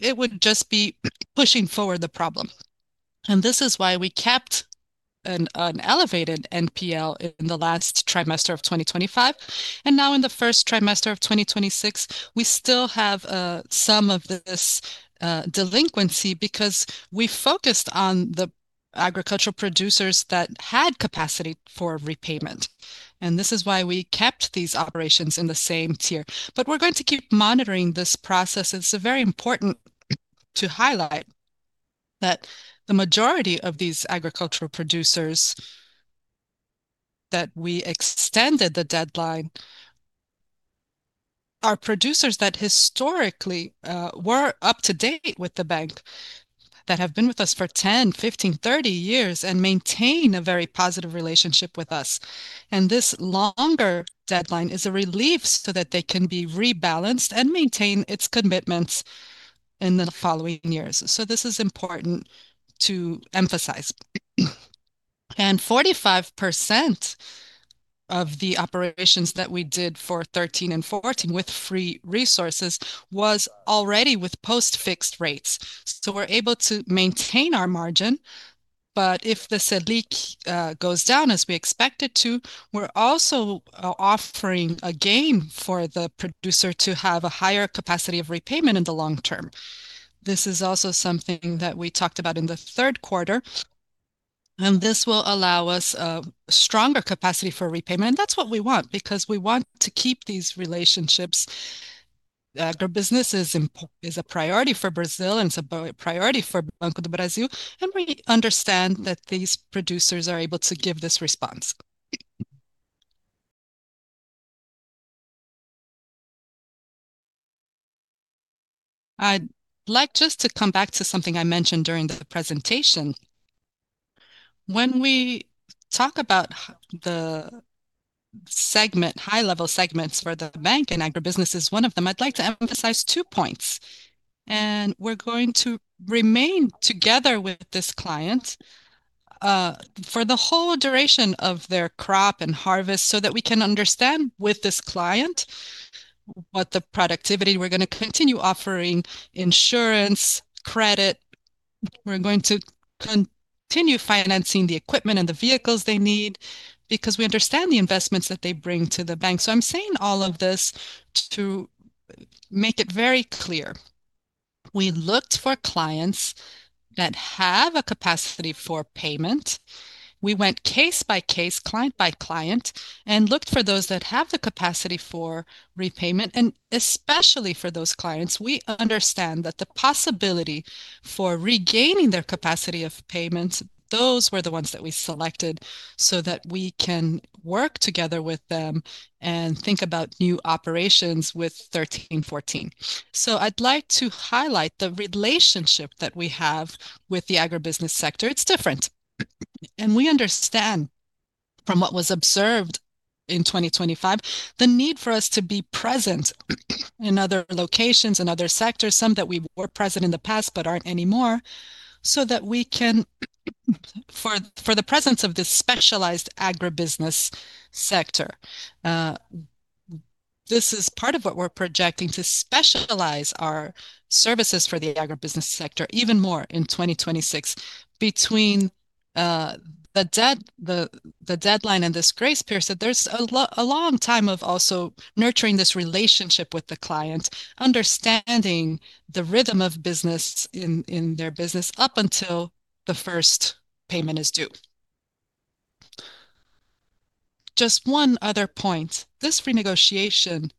it would just be pushing forward the problem. And this is why we kept an elevated NPL in the last trimester of 2025, and now in the first trimester of 2026, we still have some of this delinquency, because we focused on the agricultural producers that had capacity for repayment, and this is why we kept these operations in the same tier. But we're going to keep monitoring this process. It's very important to highlight that the majority of these agricultural producers that we extended the deadline are producers that historically were up to date with the bank, that have been with us for 10, 15, 30 years, and maintain a very positive relationship with us. And this longer deadline is a relief so that they can be rebalanced and maintain its commitments in the following years. So this is important to emphasize. And 45% of the operations that we did for 13 and 14 with free resources was already with post-fixed rates. So we're able to maintain our margin, but if the Selic goes down as we expect it to, we're also offering a gain for the producer to have a higher capacity of repayment in the long term. This is also something that we talked about in the third quarter, and this will allow us a stronger capacity for repayment. That's what we want, because we want to keep these relationships. Agribusiness is a priority for Brazil, and it's a priority for Banco do Brasil, and we understand that these producers are able to give this response. I'd like just to come back to something I mentioned during the presentation. When we talk about the segment, high-level segments for the bank, and agribusiness is one of them, I'd like to emphasize 2 points. We're going to remain together with this client for the whole duration of their crop and harvest so that we can understand with this client what the productivity, we're gonna continue offering insurance, credit. We're going to continue financing the equipment and the vehicles they need, because we understand the investments that they bring to the bank. So I'm saying all of this to make it very clear, we looked for clients that have a capacity for payment. We went case by case, client by client, and looked for those that have the capacity for repayment, and especially for those clients, we understand that the possibility for regaining their capacity of payments, those were the ones that we selected, so that we can work together with them and think about new operations with 13, 14. So I'd like to highlight the relationship that we have with the agribusiness sector. It's different, and we understand from what was observed in 2025, the need for us to be present in other locations and other sectors, some that we were present in the past, but aren't anymore, so that we can for the presence of this specialized agribusiness sector. This is part of what we're projecting to specialize our services for the agribusiness sector even more in 2026. Between the deadline and this grace period, there's a long time of also nurturing this relationship with the client, understanding the rhythm of business in their business, up until the first payment is due. Just one other point. This renegotiation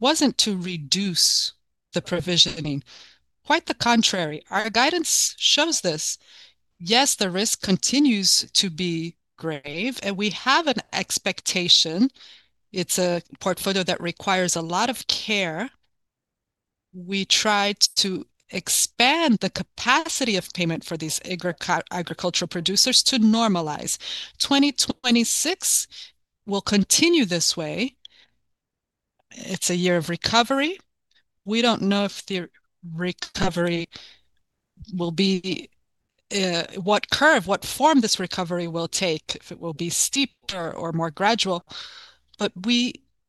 wasn't to reduce the provisioning, quite the contrary. Our guidance shows this. Yes, the risk continues to be grave, and we have an expectation. It's a portfolio that requires a lot of care. We tried to expand the capacity of payment for these agricultural producers to normalize. 2026 will continue this way. It's a year of recovery. We don't know if the recovery will be what curve, what form this recovery will take, if it will be steep or more gradual. But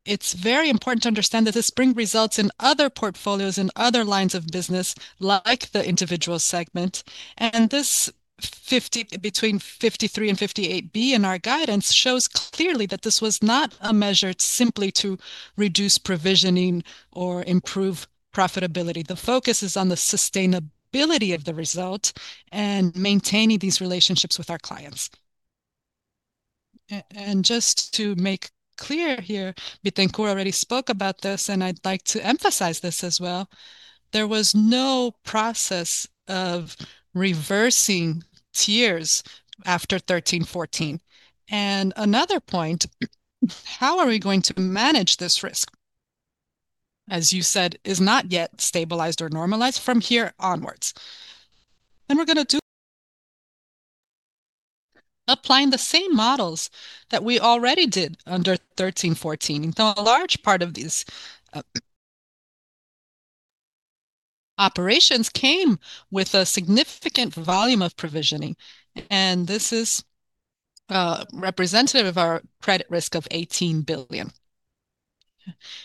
it's very important to understand that this bring results in other portfolios, in other lines of business, like the individual segment. And this 50, between 53 and 58B in our guidance shows clearly that this was not a measure simply to reduce provisioning or improve profitability. The focus is on the sustainability of the result and maintaining these relationships with our clients. And just to make clear here, Bittencourt already spoke about this, and I'd like to emphasize this as well, there was no process of reversing tiers after 13, 14. Another point, how are we going to manage this risk, as you said, is not yet stabilized or normalized from here onwards? And we're gonna do applying the same models that we already did under 13, 14. And so a large part of these operations came with a significant volume of provisioning, and this is representative of our credit risk of 18 billion.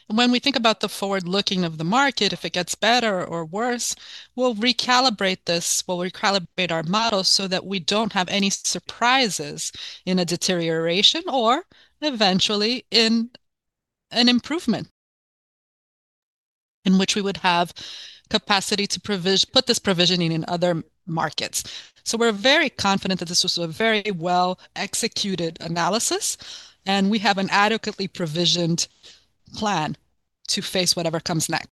And when we think about the forward-looking of the market, if it gets better or worse, we'll recalibrate this. We'll recalibrate our models so that we don't have any surprises in a deterioration or eventually in an improvement, in which we would have capacity to put this provisioning in other markets. So we're very confident that this was a very well-executed analysis, and we have an adequately provisioned plan to face whatever comes next.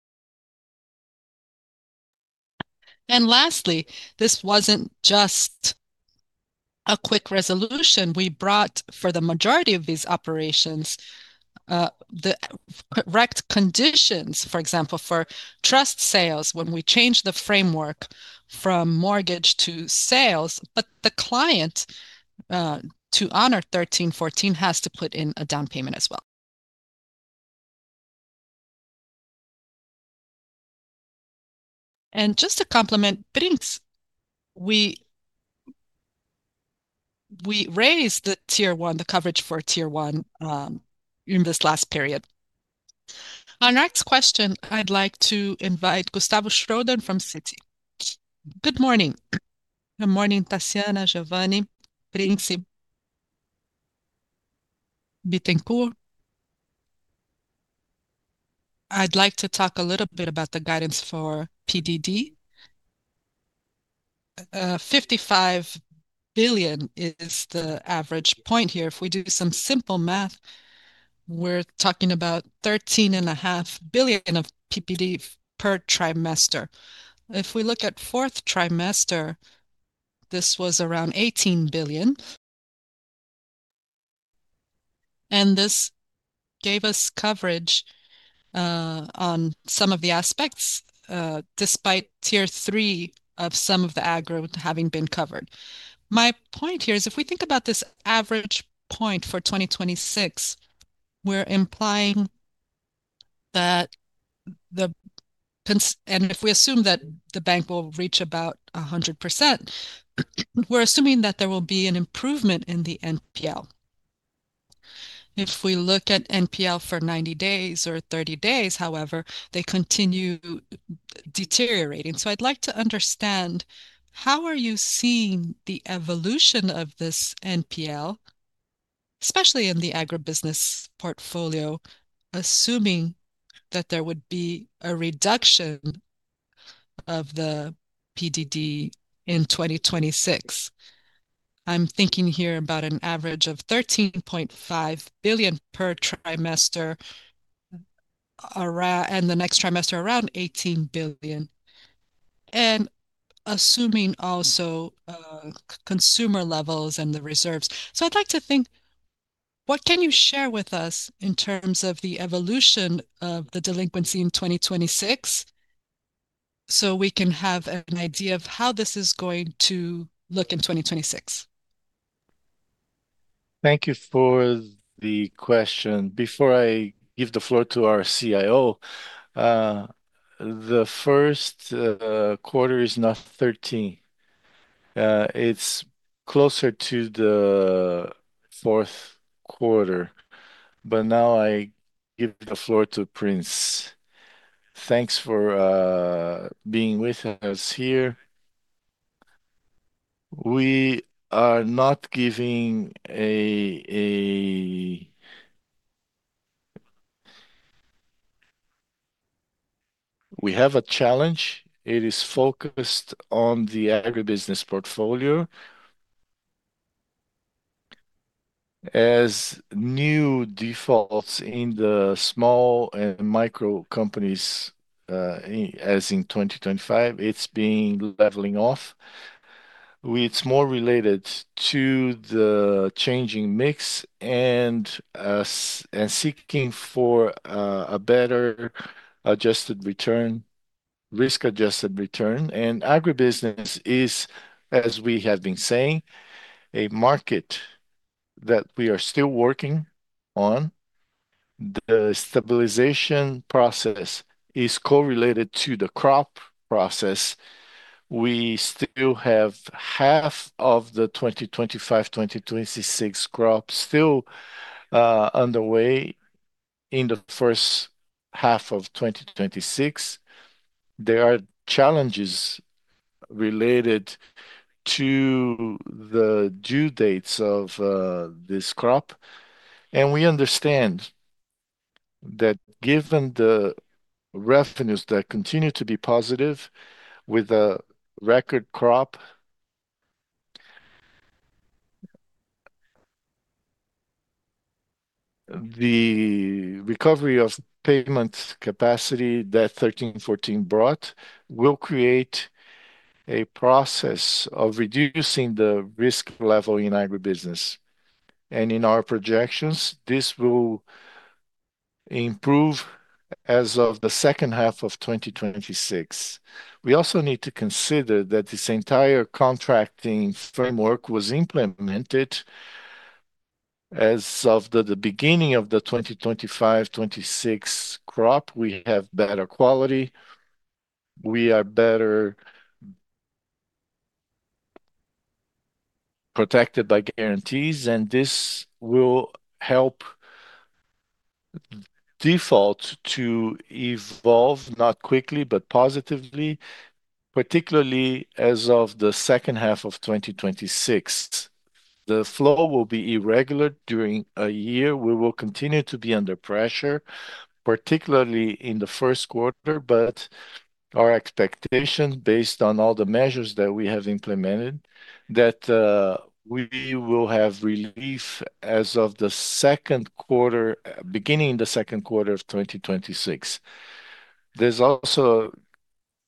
And lastly, this wasn't just a quick resolution. We brought, for the majority of these operations, the correct conditions, for example, for trust sales, when we changed the framework from mortgage to sales. But the client, to honor 13, 14, has to put in a down payment as well. And just to complement Prince, we, we raised the Tier 1, the coverage for Tier 1, in this last period. Our next question, I'd like to invite Gustavo Schroden from Citi. Good morning. Good morning, Tarciana, Geovanne, Prince, Bittencourt. I'd like to talk a little bit about the guidance for PDD. 55.5 billion is the average point here. If we do some simple math, we're talking about 13.5 billion of PDD per trimester. If we look at fourth quarter, this was around BRL 18 billion, and this gave us coverage on some of the aspects, despite Tier 3 of some of the aggro having been covered. My point here is, if we think about this average point for 2026, we're implying that if we assume that the bank will reach about 100%, we're assuming that there will be an improvement in the NPL. If we look at NPL for 90 days or 30 days, however, they continue deteriorating. So I'd like to understand, how are you seeing the evolution of this NPL, especially in the agribusiness portfolio, assuming that there would be a reduction of the PDD in 2026? I'm thinking here about an average of 13.5 billion per trimester around—and the next trimester, around 18 billion, and assuming also, consumer levels and the reserves. So I'd like to think, what can you share with us in terms of the evolution of the delinquency in 2026, so we can have an idea of how this is going to look in 2026? Thank you for the question. Before I give the floor to our CIO, the first quarter is not 13. It's closer to the fourth quarter. But now I give the floor to Prince. Thanks for being with us here. We are not giving a. We have a challenge. It is focused on the agribusiness portfolio. As new defaults in the small and micro companies, in, as in 2025, it's been leveling off. It's more related to the changing mix and seeking for a better adjusted return, risk-adjusted return. And agribusiness is, as we have been saying, a market that we are still working on. The stabilization process is correlated to the crop process. We still have half of the 2025, 2026 crop still underway in the first half of 2026. There are challenges related to the due dates of this crop, and we understand that given the revenues that continue to be positive with a record crop, the recovery of payment capacity that 2013, 2014 brought, will create a process of reducing the risk level in agribusiness. And in our projections, this will improve as of the second half of 2026. We also need to consider that this entire contracting framework was implemented as of the beginning of the 2025, 2026 crop. We have better quality. We are better protected by guarantees, and this will help default to evolve, not quickly, but positively, particularly as of the second half of 2026. The flow will be irregular during a year. We will continue to be under pressure, particularly in the first quarter, but our expectation, based on all the measures that we have implemented, that we will have relief as of the second quarter, beginning in the second quarter of 2026. There's also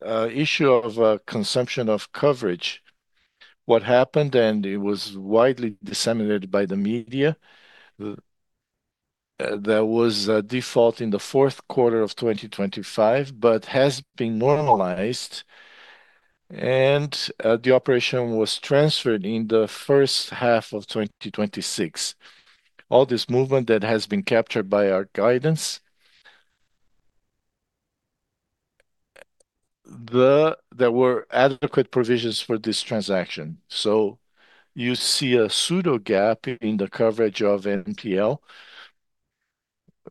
the issue of consumption of coverage, what happened, and it was widely disseminated by the media, there was a default in the fourth quarter of 2025, but has been normalized, and the operation was transferred in the first half of 2026. All this movement that has been captured by our guidance, there were adequate provisions for this transaction. So you see a pseudo gap in the coverage of NPL,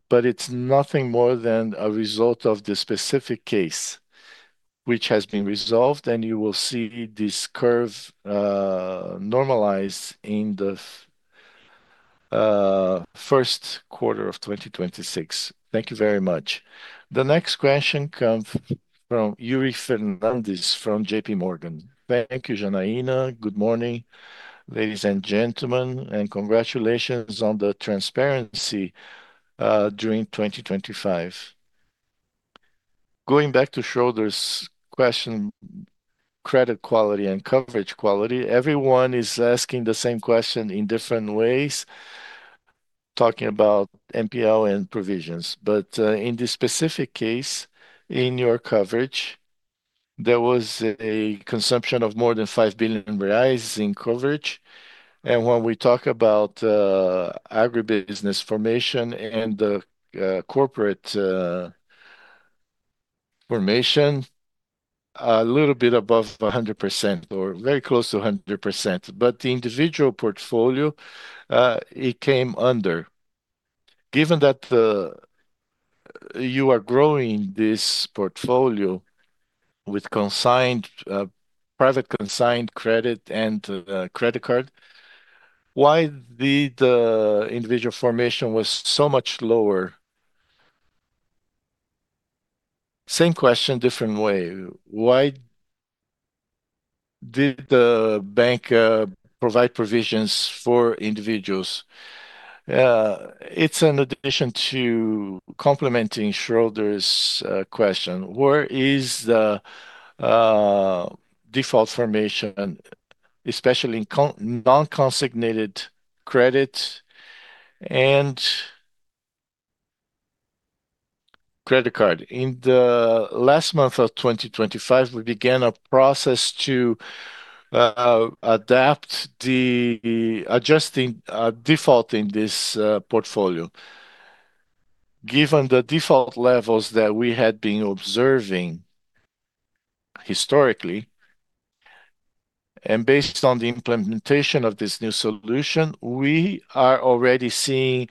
but it's nothing more than a result of the specific case, which has been resolved, and you will see this curve normalized in the first quarter of 2026. Thank you very much. The next question comes from Yuri Fernandes from JPMorgan. Thank you, Janaína. Good morning, ladies and gentlemen, and congratulations on the transparency during 2025. Going back to Schroden's question, credit quality and coverage quality, everyone is asking the same question in different ways, talking about NPL and provisions. But, in this specific case, in your coverage, there was a consumption of more than 5 billion reais in coverage. And when we talk about agribusiness formation and the corporate formation, a little bit above 100%, or very close to 100%, but the individual portfolio it came under. Given that you are growing this portfolio with consigned private consigned credit and credit card, why did the individual formation was so much lower? Same question, different way: Why did the bank provide provisions for individuals? It's an addition to complementing Schroden's question. Where is the default formation, especially in non-consignated credit and credit card? In the last month of 2025, we began a process to adapt the adjusting default in this portfolio. Given the default levels that we had been observing historically, and based on the implementation of this new solution, we are already seeing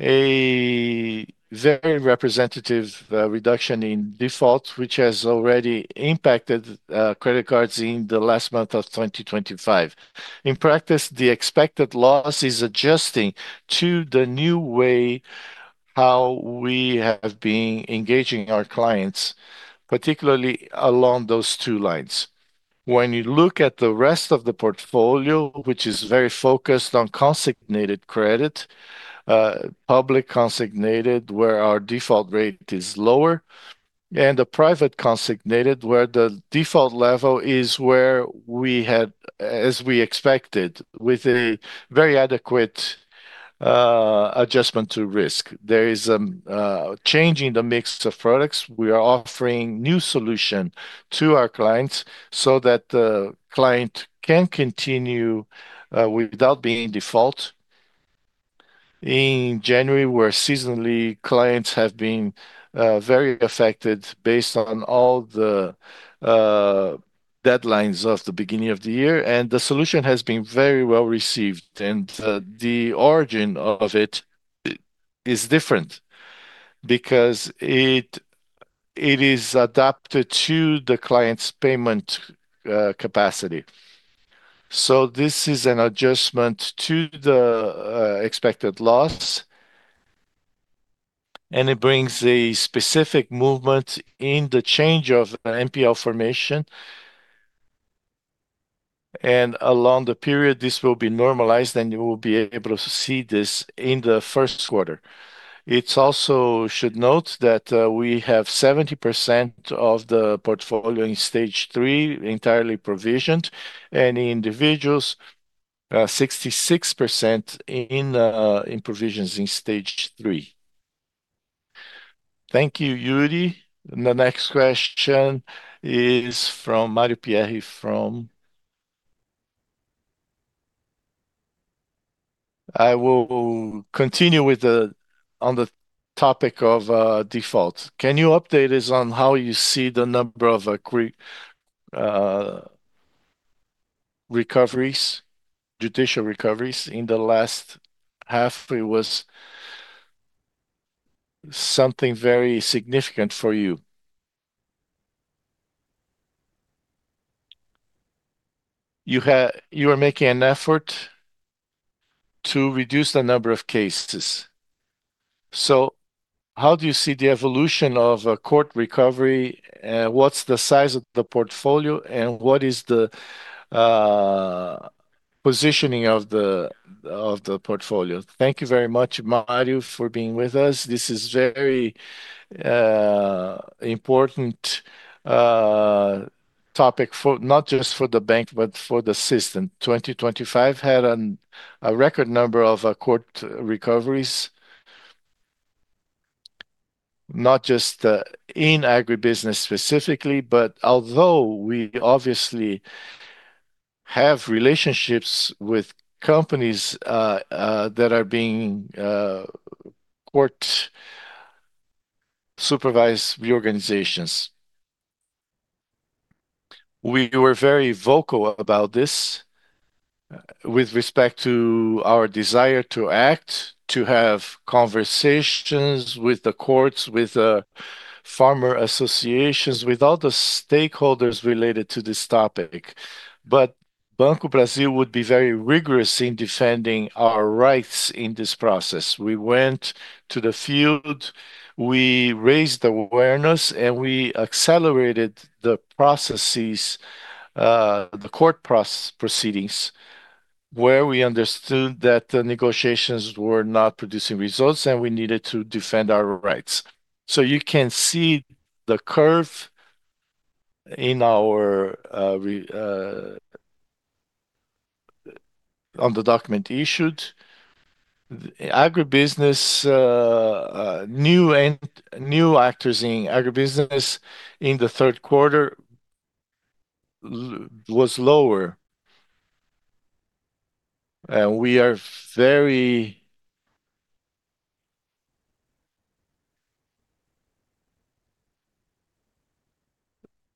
a very representative reduction in default, which has already impacted credit cards in the last month of 2025. In practice, the expected loss is adjusting to the new way how we have been engaging our clients, particularly along those two lines. When you look at the rest of the portfolio, which is very focused on consignated credit, public consignated, where our default rate is lower, and the private consignated, where the default level is where we had, as we expected, with a very adequate adjustment to risk. There is change in the mix of products. We are offering new solution to our clients so that the client can continue without being in default. In January, where seasonally clients have been, very affected based on all the, deadlines of the beginning of the year, and the solution has been very well received, and, the origin of it is different because it, it is adapted to the client's payment, capacity. So this is an adjustment to the, expected loss, and it brings a specific movement in the change of NPL formation. And along the period, this will be normalized, and you will be able to see this in the first quarter. It's also should note that, we have 70% of the portfolio in Stage 3, entirely provisioned, and individuals, 66% in, in provisions in Stage 3. Thank you, Yuri. The next question is from Mario Pierry, from Bank of America. I will continue with the-- on the topic of, default. Can you update us on how you see the number of quick recoveries, judicial recoveries in the last half? It was something very significant for you. You are making an effort to reduce the number of cases. So how do you see the evolution of a court recovery, and what's the size of the portfolio, and what is the positioning of the portfolio? Thank you very much, Mario, for being with us. This is very important topic for, not just for the bank, but for the system. 2025 had a record number of court recoveries, not just in agribusiness specifically, but although we obviously have relationships with companies that are being court supervised reorganizations. We were very vocal about this with respect to our desire to act, to have conversations with the courts, with farmer associations, with all the stakeholders related to this topic. But Banco do Brasil would be very rigorous in defending our rights in this process. We went to the field, we raised awareness, and we accelerated the processes, the court proceedings, where we understood that the negotiations were not producing results, and we needed to defend our rights. So you can see the curve in our release on the document issued. Agribusiness new and new actors in agribusiness in the third quarter was lower. And we are very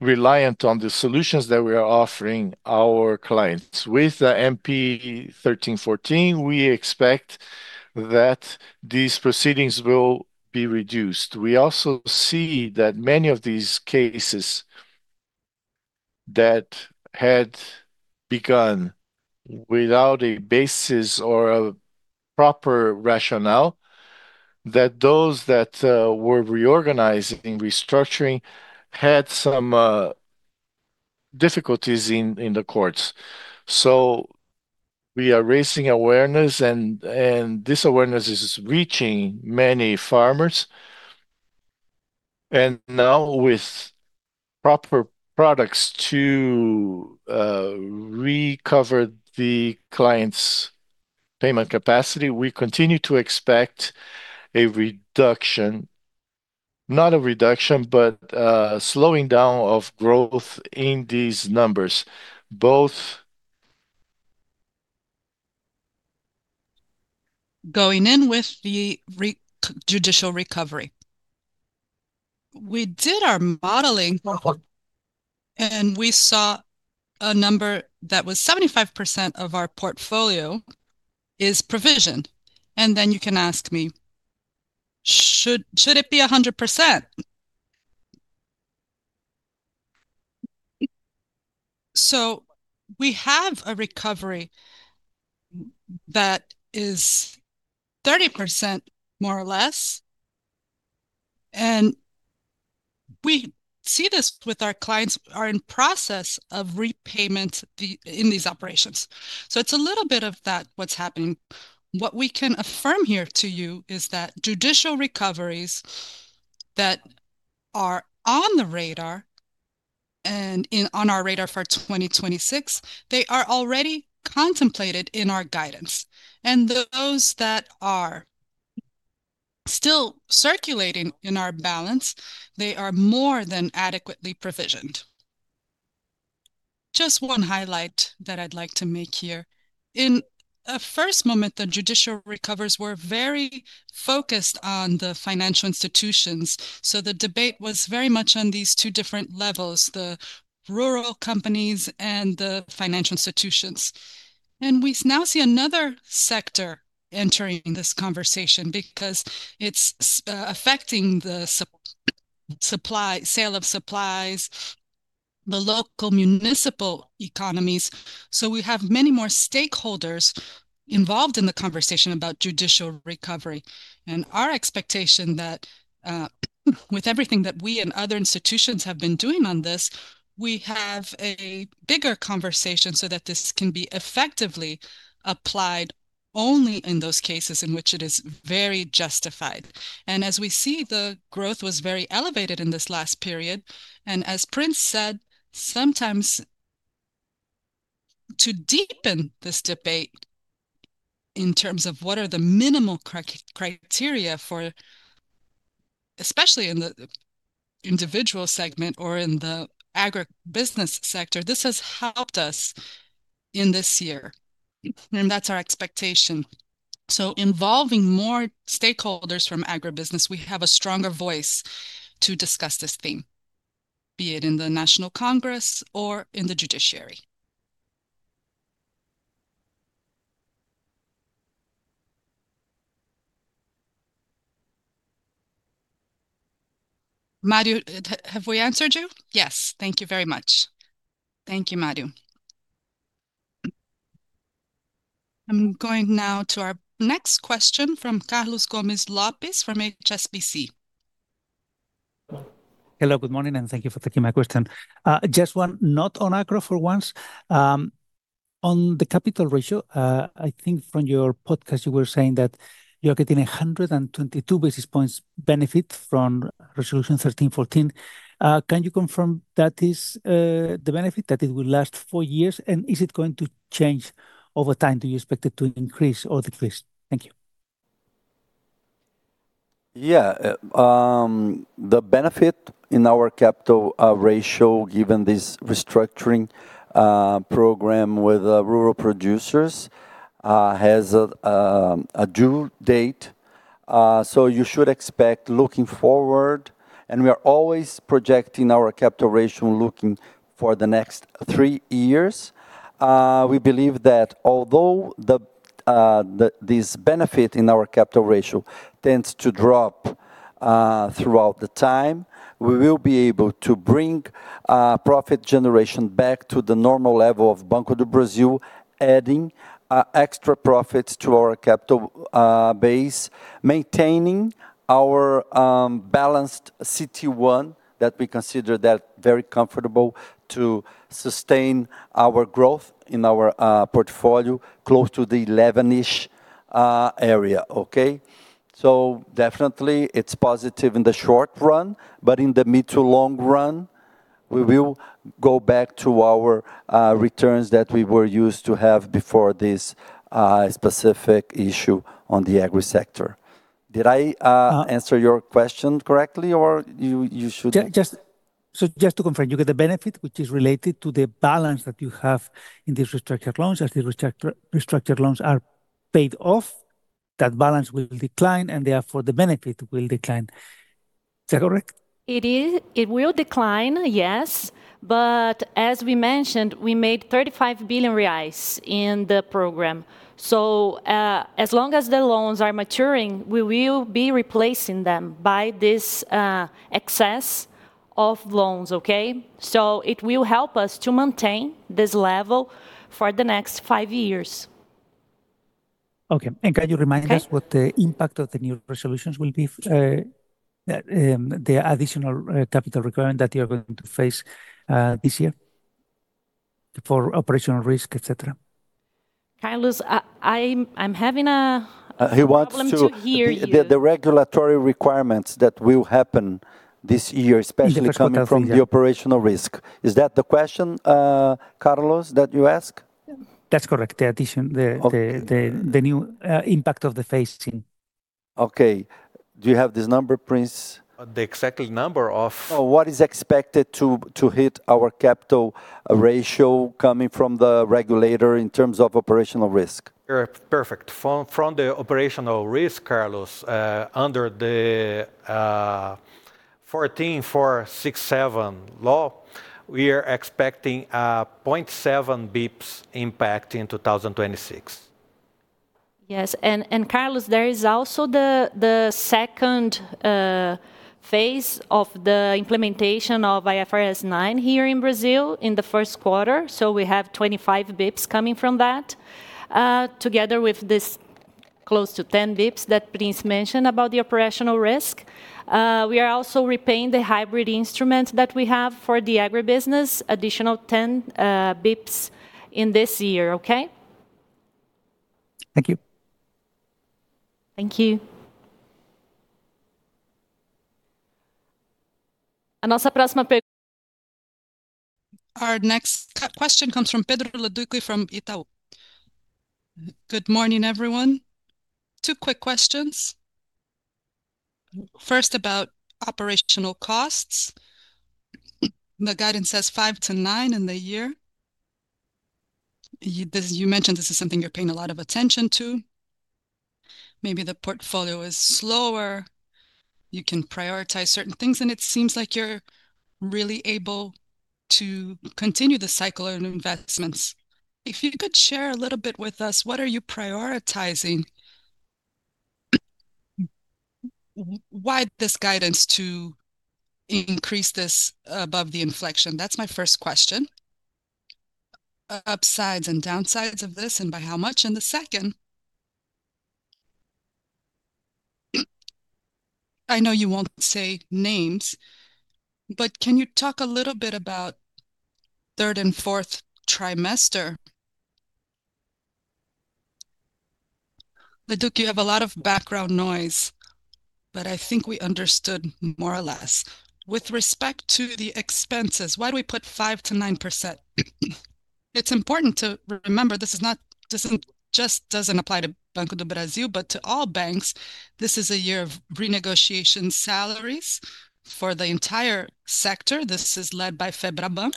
reliant on the solutions that we are offering our clients. With the MP 1314, we expect that these proceedings will be reduced. We also see that many of these cases that had begun without a basis or a proper rationale, that those that were reorganizing, restructuring, had some difficulties in the courts. So we are raising awareness, and this awareness is reaching many farmers. And now with proper products to recover the client's payment capacity, we continue to expect a reduction, not a reduction, but slowing down of growth in these numbers, both- Going in with the judicial recovery. We did our modeling, and we saw a number that was 75% of our portfolio is provisioned, and then you can ask me: "Should it be 100%?" So we have a recovery that is 30%, more or less, and we see this with our clients are in process of repayment in these operations. So it's a little bit of that what's happening. What we can affirm here to you is that judicial recoveries that are on the radar, and on our radar for 2026, they are already contemplated in our guidance. And those that are still circulating in our balance, they are more than adequately provisioned. Just one highlight that I'd like to make here. In a first moment, the judicial recoveries were very focused on the financial institutions, so the debate was very much on these two different levels, the rural companies and the financial institutions. And we now see another sector entering this conversation, because it's affecting the supply, sale of supplies, the local municipal economies. So we have many more stakeholders involved in the conversation about judicial recovery, and our expectation that, with everything that we and other institutions have been doing on this, we have a bigger conversation so that this can be effectively applied only in those cases in which it is very justified. And as we see, the growth was very elevated in this last period, and as Prince said, sometimes to deepen this debate in terms of what are the minimal criteria for, especially in the individual segment or in the agribusiness sector, this has helped us in this year, and that's our expectation. So involving more stakeholders from agribusiness, we have a stronger voice to discuss this theme, be it in the National Congress or in the judiciary. Mario, have we answered you? Yes. Thank you very much. Thank you, Mario. I'm going now to our next question from Carlos Gomez-Lopez from HSBC. Hello, good morning, and thank you for taking my question. Just one, not on agro for once. On the capital ratio, I think from your podcast you were saying that you're getting 122 basis points benefit from Resolution 1314. Can you confirm that is the benefit, that it will last four years, and is it going to change over time? Do you expect it to increase or decrease? Thank you. Yeah, the benefit in our capital ratio, given this restructuring program with rural producers, has a due date. So you should expect looking forward, and we are always projecting our capital ratio looking for the next three years. We believe that although this benefit in our capital ratio tends to drop throughout the time, we will be able to bring profit generation back to the normal level of Banco do Brasil, adding extra profits to our capital base, maintaining our balanced CT1, that we consider very comfortable to sustain our growth in our portfolio close to the 11-ish area. Okay? Definitely, it's positive in the short run, but in the mid to long run, we will go back to our returns that we were used to have before this specific issue on the agri sector. Did I answer your question correctly? So, just to confirm, you get the benefit, which is related to the balance that you have in these restructured loans. As the restructured loans are paid off, that balance will decline, and therefore, the benefit will decline. Is that correct? It is. It will decline, yes, but as we mentioned, we made 35 billion reais in the program. So, as long as the loans are maturing, we will be replacing them by this, excess of loans, okay? So it will help us to maintain this level for the next five years. Okay. Okay? Can you remind us what the impact of the new resolutions will be, the additional capital requirement that you are going to face this year for operational risk, etc? Carlos, I'm having a- He wants to- A problem to hear you. The regulatory requirements that will happen this year- In the- Especially coming from the operational risk, is that the question, Carlos, that you ask? That's correct. The addition, the- Okay. The new impact of the phase II. Okay. Do you have this number, Prince? the exact number of what is expected to hit our capital ratio coming from the regulator in terms of operational risk? Perfect. From the operational risk, Carlos, under the 14,467 law, we are expecting 0.7 basis points impact in 2026. Yes, and Carlos, there is also the second phase of the implementation of IFRS 9 here in Brazil in the first quarter, so we have 25 basis points coming from that. Together with this close to 10 basis points that Prince mentioned about the operational risk, we are also repaying the hybrid instruments that we have for the agribusiness, additional 10 basis points in this year, okay? Thank you. Thank you. And also our next question- Our next question comes from Pedro Leduc from Itaú. Good morning, everyone. Two quick questions. First, about operational costs, the guidance says 5-9 in the year. You, this, you mentioned this is something you're paying a lot of attention to. Maybe the portfolio is slower. You can prioritize certain things, and it seems like you're really able to continue the cycle of investments. If you could share a little bit with us, what are you prioritizing? Why this guidance to increase this above the inflection? That's my first question, upsides and downsides of this, and by how much. And the second, I know you won't say names, but can you talk a little bit about third and fourth trimester? Leduc, you have a lot of background noise, but I think we understood more or less. With respect to the expenses, why do we put 5%-9%? It's important to remember, this is not, doesn't just apply to Banco do Brasil, but to all banks. This is a year of renegotiation salaries for the entire sector. This is led by Febraban.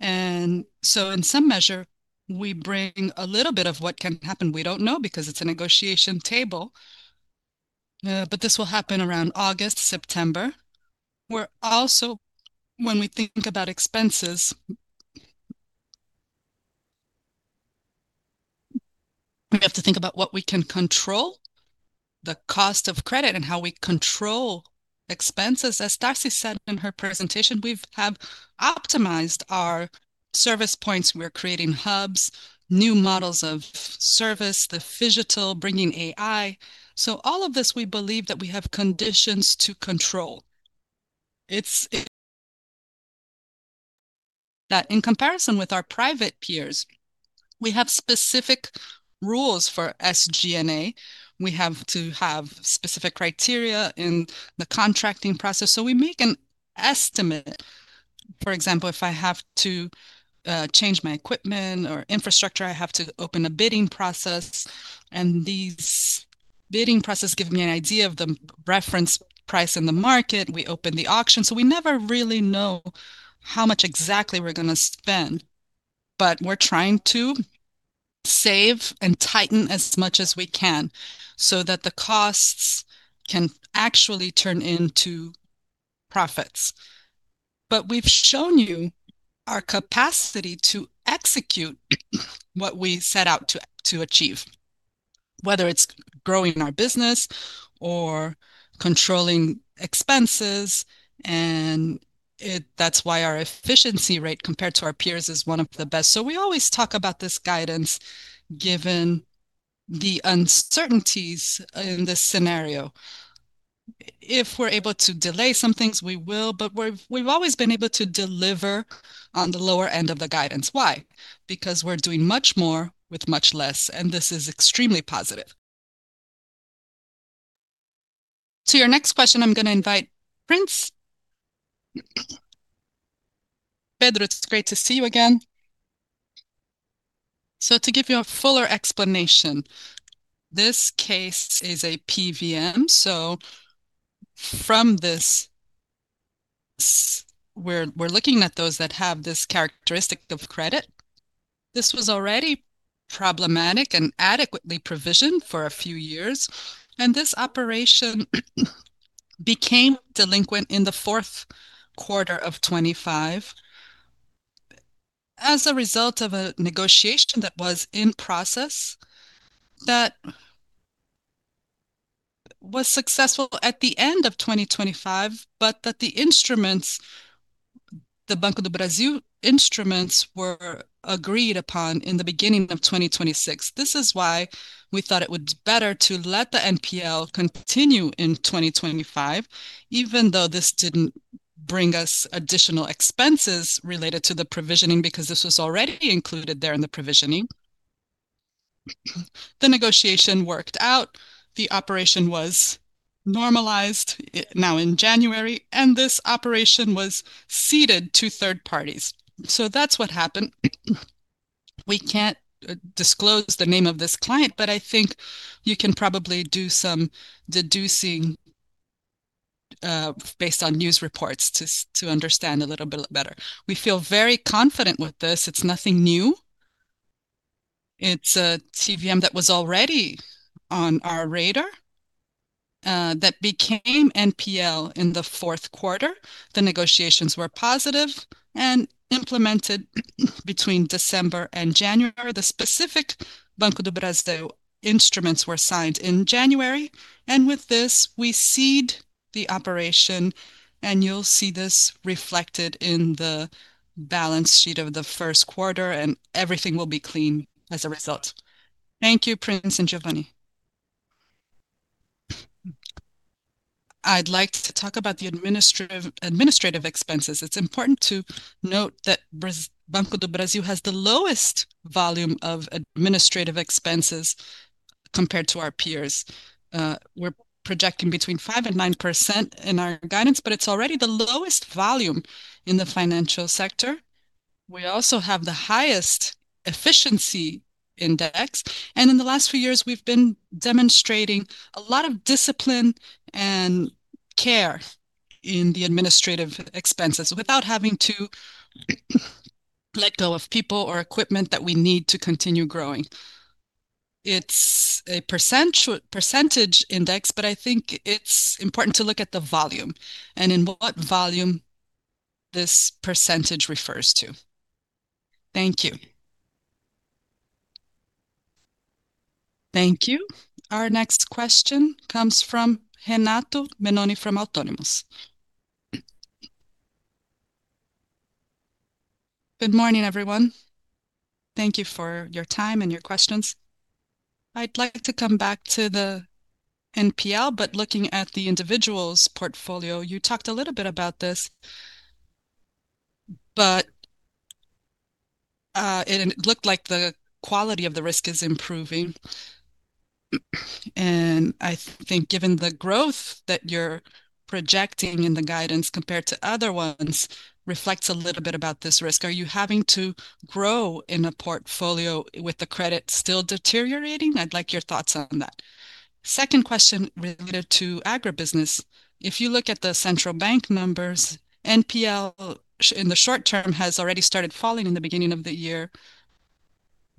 And so in some measure, we bring a little bit of what can happen. We don't know, because it's a negotiation table, but this will happen around August, September. We're also, when we think about expenses, we have to think about what we can control, the cost of credit and how we control expenses. As Tarciana said in her presentation, we've optimized our service points. We're creating hubs, new models of service, the phygital, bringing AI. So all of this, we believe that we have conditions to control. It's, that in comparison with our private peers, we have specific rules for SG&A. We have to have specific criteria in the contracting process. So we make an estimate. For example, if I have to change my equipment or infrastructure, I have to open a bidding process, and these bidding process give me an idea of the reference price in the market, and we open the auction. So we never really know how much exactly we're gonna spend, but we're trying to save and tighten as much as we can, so that the costs can actually turn into profits. But we've shown you our capacity to execute what we set out to, to achieve, whether it's growing our business or controlling expenses, and it, that's why our efficiency rate, compared to our peers, is one of the best. So we always talk about this guidance, given the uncertainties in this scenario. If we're able to delay some things, we will, but we've, we've always been able to deliver on the lower end of the guidance. Why? Because we're doing much more with much less, and this is extremely positive. To your next question, I'm gonna invite Prince. Pedro, it's great to see you again. So to give you a fuller explanation, this case is a PVM, so from this we're, we're looking at those that have this characteristic of credit. This was already problematic and adequately provisioned for a few years, and this operation became delinquent in the fourth quarter of 2025, as a result of a negotiation that was in process, that was successful at the end of 2025, but that the instruments, the Banco do Brasil instruments, were agreed upon in the beginning of 2026. This is why we thought it would be better to let the NPL continue in 2025, even though this didn't bring us additional expenses related to the provisioning, because this was already included there in the provisioning. The negotiation worked out. The operation was normalized, now in January, and this operation was ceded to third parties. So that's what happened. We can't disclose the name of this client, but I think you can probably do some deducing, based on news reports to understand a little bit better. We feel very confident with this. It's nothing new. It's a CVM that was already on our radar, that became NPL in the fourth quarter. The negotiations were positive and implemented between December and January. The specific Banco do Brasil instruments were signed in January, and with this, we cede the operation, and you'll see this reflected in the balance sheet of the first quarter, and everything will be clean as a result. Thank you, Prince and Geovanne. I'd like to talk about the administrative, administrative expenses. It's important to note that Banco do Brasil has the lowest volume of administrative expenses compared to our peers. We're projecting between 5%-9% in our guidance, but it's already the lowest volume in the financial sector. We also have the highest efficiency index, and in the last few years, we've been demonstrating a lot of discipline and care in the administrative expenses, without having to let go of people or equipment that we need to continue growing. It's a percentage index, but I think it's important to look at the volume, and in what volume this percentage refers to. Thank you. Thank you. Our next question comes from Renato Meloni from Autonomous Research. Good morning, everyone. Thank you for your time and your questions. I'd like to come back to the NPL, but looking at the individuals portfolio, you talked a little bit about this, but, and it looked like the quality of the risk is improving. And I think given the growth that you're projecting in the guidance compared to other ones, reflects a little bit about this risk. Are you having to grow in a portfolio with the credit still deteriorating? I'd like your thoughts on that. Second question related to agribusiness, if you look at the central bank numbers, NPL in the short term has already started falling in the beginning of the year,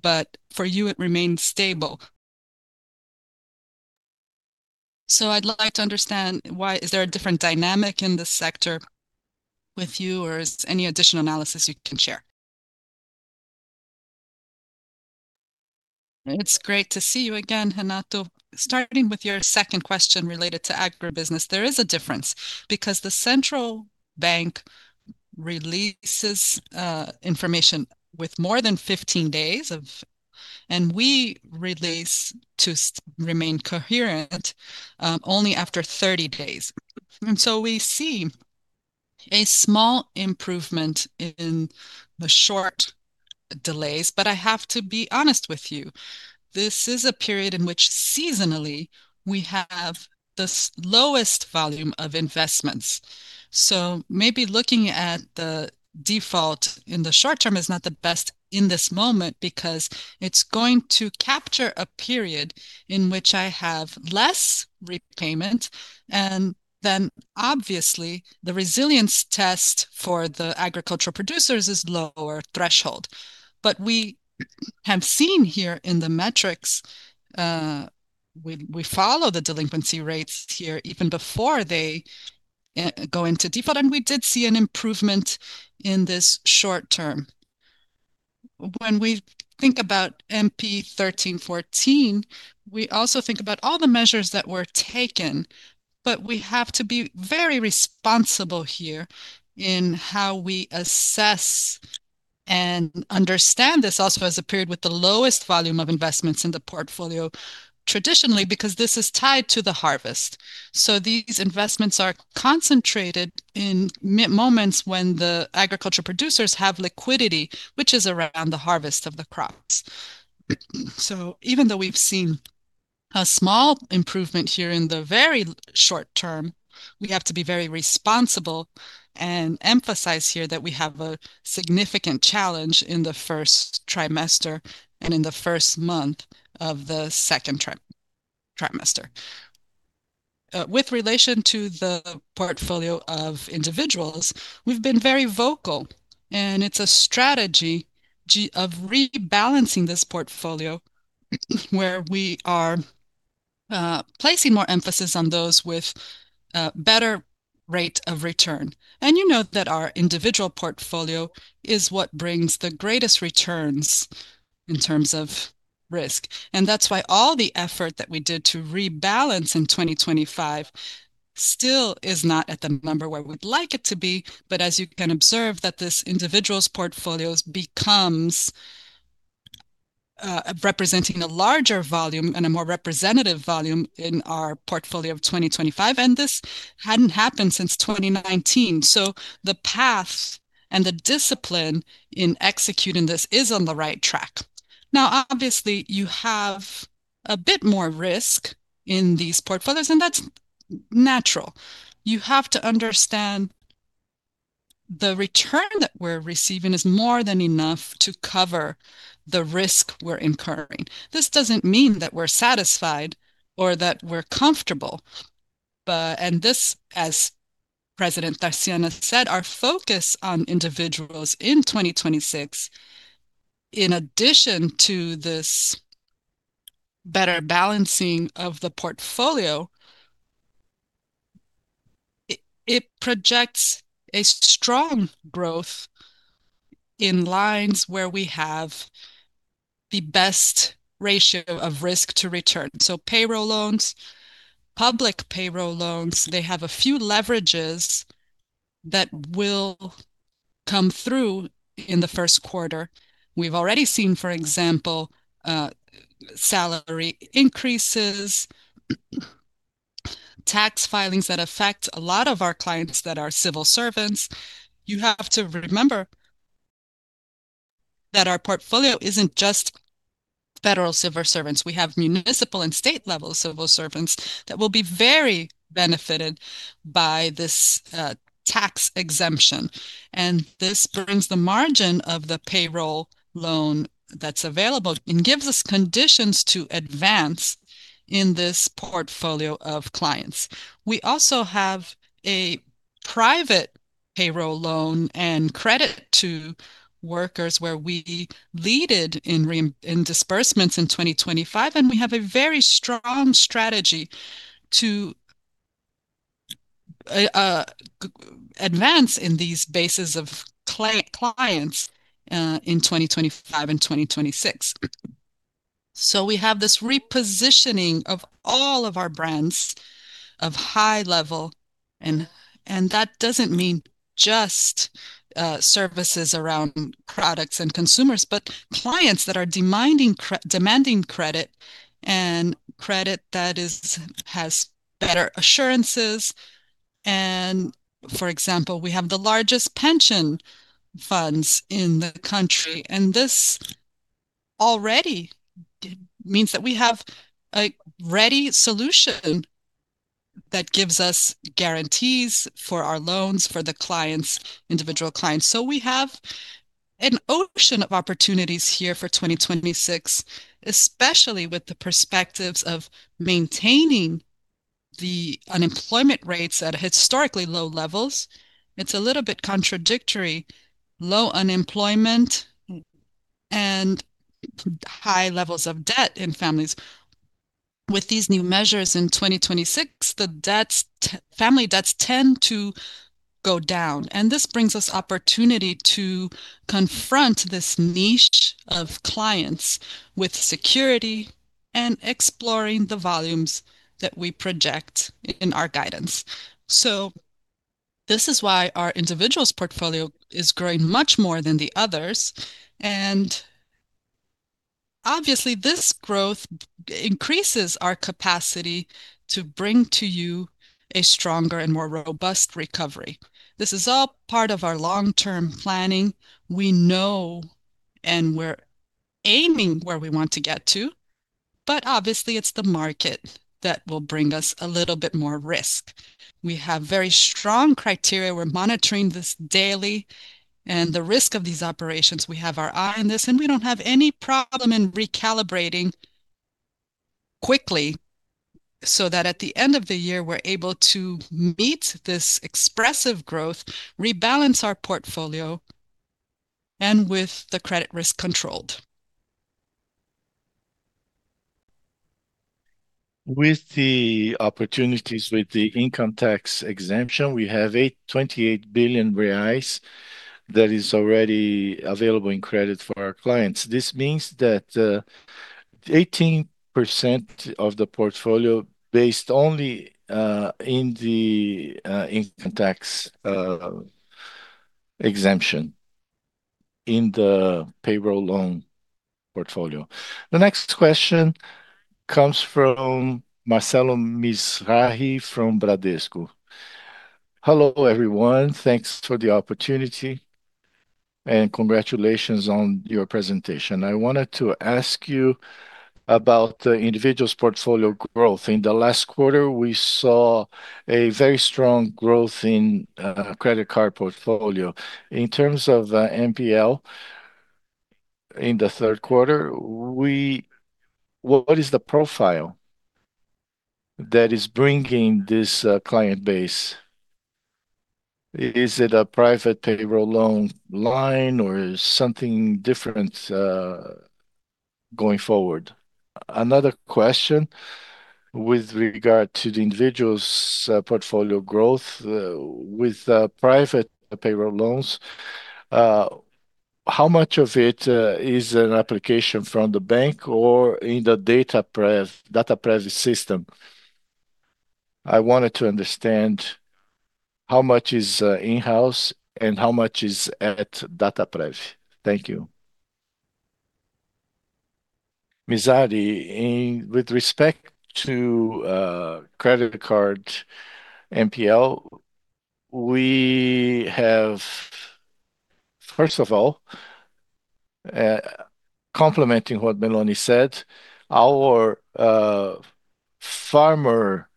but for you, it remained stable. So I'd like to understand why. Is there a different dynamic in this sector with you, or is there any additional analysis you can share? It's great to see you again, Renato. Starting with your second question related to agribusiness, there is a difference because the central bank releases information with more than 15 days of, and we release, to remain coherent, only after 30 days. And so we see a small improvement in the short delays, but I have to be honest with you, this is a period in which seasonally we have the lowest volume of investments. So maybe looking at the default in the short term is not the best in this moment, because it's going to capture a period in which I have less repayment, and then obviously, the resilience test for the agricultural producers is lower threshold. But we have seen here in the metrics, we follow the delinquency rates here even before they go into default, and we did see an improvement in this short term. When we think about MP 1314, we also think about all the measures that were taken, but we have to be very responsible here in how we assess and understand this also as a period with the lowest volume of investments in the portfolio, traditionally, because this is tied to the harvest. So these investments are concentrated in moments when the agriculture producers have liquidity, which is around the harvest of the crops. So even though we've seen a small improvement here in the very short term, we have to be very responsible and emphasize here that we have a significant challenge in the first trimester and in the first month of the second trimester. With relation to the portfolio of individuals, we've been very vocal, and it's a strategy of rebalancing this portfolio, where we are placing more emphasis on those with a better rate of return. And you know that our individual portfolio is what brings the greatest returns in terms of risk, and that's why all the effort that we did to rebalance in 2025 still is not at the number where we'd like it to be. But as you can observe, that this individuals portfolios becomes representing a larger volume and a more representative volume in our portfolio of 2025, and this hadn't happened since 2019. So the path and the discipline in executing this is on the right track. Now, obviously, you have a bit more risk in these portfolios, and that's natural. You have to understand the return that we're receiving is more than enough to cover the risk we're incurring. This doesn't mean that we're satisfied or that we're comfortable, but... and this, as President Tarciana said, our focus on individuals in 2026, in addition to this better balancing of the portfolio, it projects a strong growth in lines where we have the best ratio of risk to return. So payroll loans, public payroll loans, they have a few leverages that will come through in the first quarter. We've already seen, for example, salary increases, tax filings that affect a lot of our clients that are civil servants. You have to remember that our portfolio isn't just federal civil servants. We have municipal and state-level civil servants that will be very benefited by this, tax exemption, and this brings the margin of the payroll loan that's available and gives us conditions to advance in this portfolio of clients. We also have a private payroll loan and credit to workers where we led in disbursements in 2025, and we have a very strong strategy to advance in these bases of clients in 2025 and 2026. So we have this repositioning of all of our brands of high level, and that doesn't mean just services around products and consumers, but clients that are demanding credit, and credit that has better assurances. For example, we have the largest pension funds in the country, and this already means that we have a ready solution that gives us guarantees for our loans, for the clients, individual clients. So we have an ocean of opportunities here for 2026, especially with the perspectives of maintaining the unemployment rates at historically low levels. It's a little bit contradictory, low unemployment and high levels of debt in families. With these new measures in 2026, the family debts tend to go down, and this brings us opportunity to confront this niche of clients with security and exploring the volumes that we project in our guidance. So this is why our individuals portfolio is growing much more than the others, and obviously, this growth increases our capacity to bring to you a stronger and more robust recovery. This is all part of our long-term planning. We know and we're aiming where we want to get to, but obviously, it's the market that will bring us a little bit more risk. We have very strong criteria. We're monitoring this daily, and the risk of these operations, we have our eye on this, and we don't have any problem in recalibrating quickly, so that at the end of the year, we're able to meet this expressive growth, rebalance our portfolio, and with the credit risk controlled. With the opportunities with the income tax exemption, we have 28 billion reais that is already available in credit for our clients. This means that, 18% of the portfolio based only, in the, income tax, exemption in the payroll loan portfolio. The next question comes from Marcelo Mizrahi from Bradesco. Hello, everyone. Thanks for the opportunity, and congratulations on your presentation. I wanted to ask you about the individual's portfolio growth. In the last quarter, we saw a very strong growth in, credit card portfolio. In terms of, NPL in the third quarter, what is the profile that is bringing this, client base? Is it a private payroll loan line, or is something different, going forward? Another question with regard to the individual's portfolio growth with private payroll loans, how much of it is an application from the bank or in the Dataprev system? I wanted to understand how much is in-house and how much is at Dataprev. Thank you. Mizrahi, in with respect to credit card NPL, we have, first of all, complementing what Meloni said, our farmer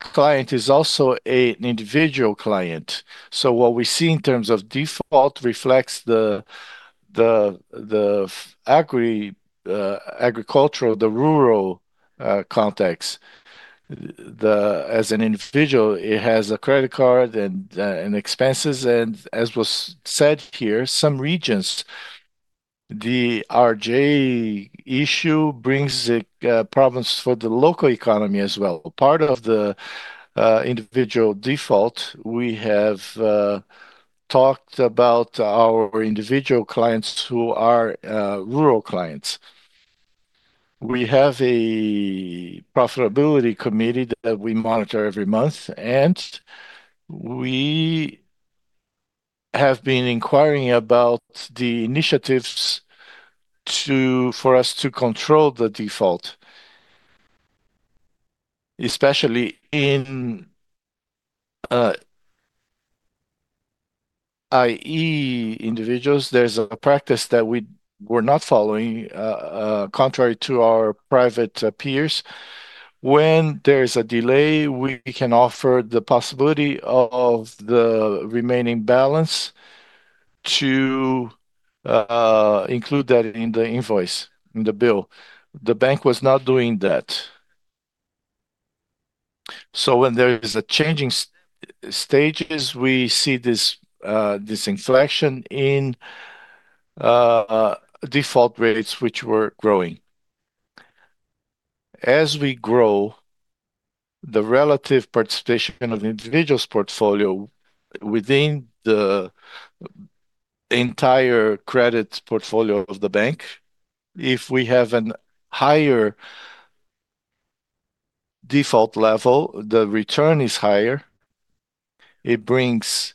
client is also an individual client. So what we see in terms of default reflects the agricultural, the rural context. As an individual, he has a credit card and expenses, and as was said here, some regions, the RJ issue brings problems for the local economy as well. Part of the individual default, we have talked about our individual clients who are rural clients. We have a profitability committee that we monitor every month, and we have been inquiring about the initiatives to for us to control the default. Especially in IE individuals, there's a practice that we were not following, contrary to our private peers. When there's a delay, we can offer the possibility of the remaining balance to include that in the invoice, in the bill. The bank was not doing that. So when there is a changing stages, we see this inflection in default rates, which were growing. As we grow, the relative participation of the individual's portfolio within the entire credit portfolio of the bank, if we have a higher default level, the return is higher. It brings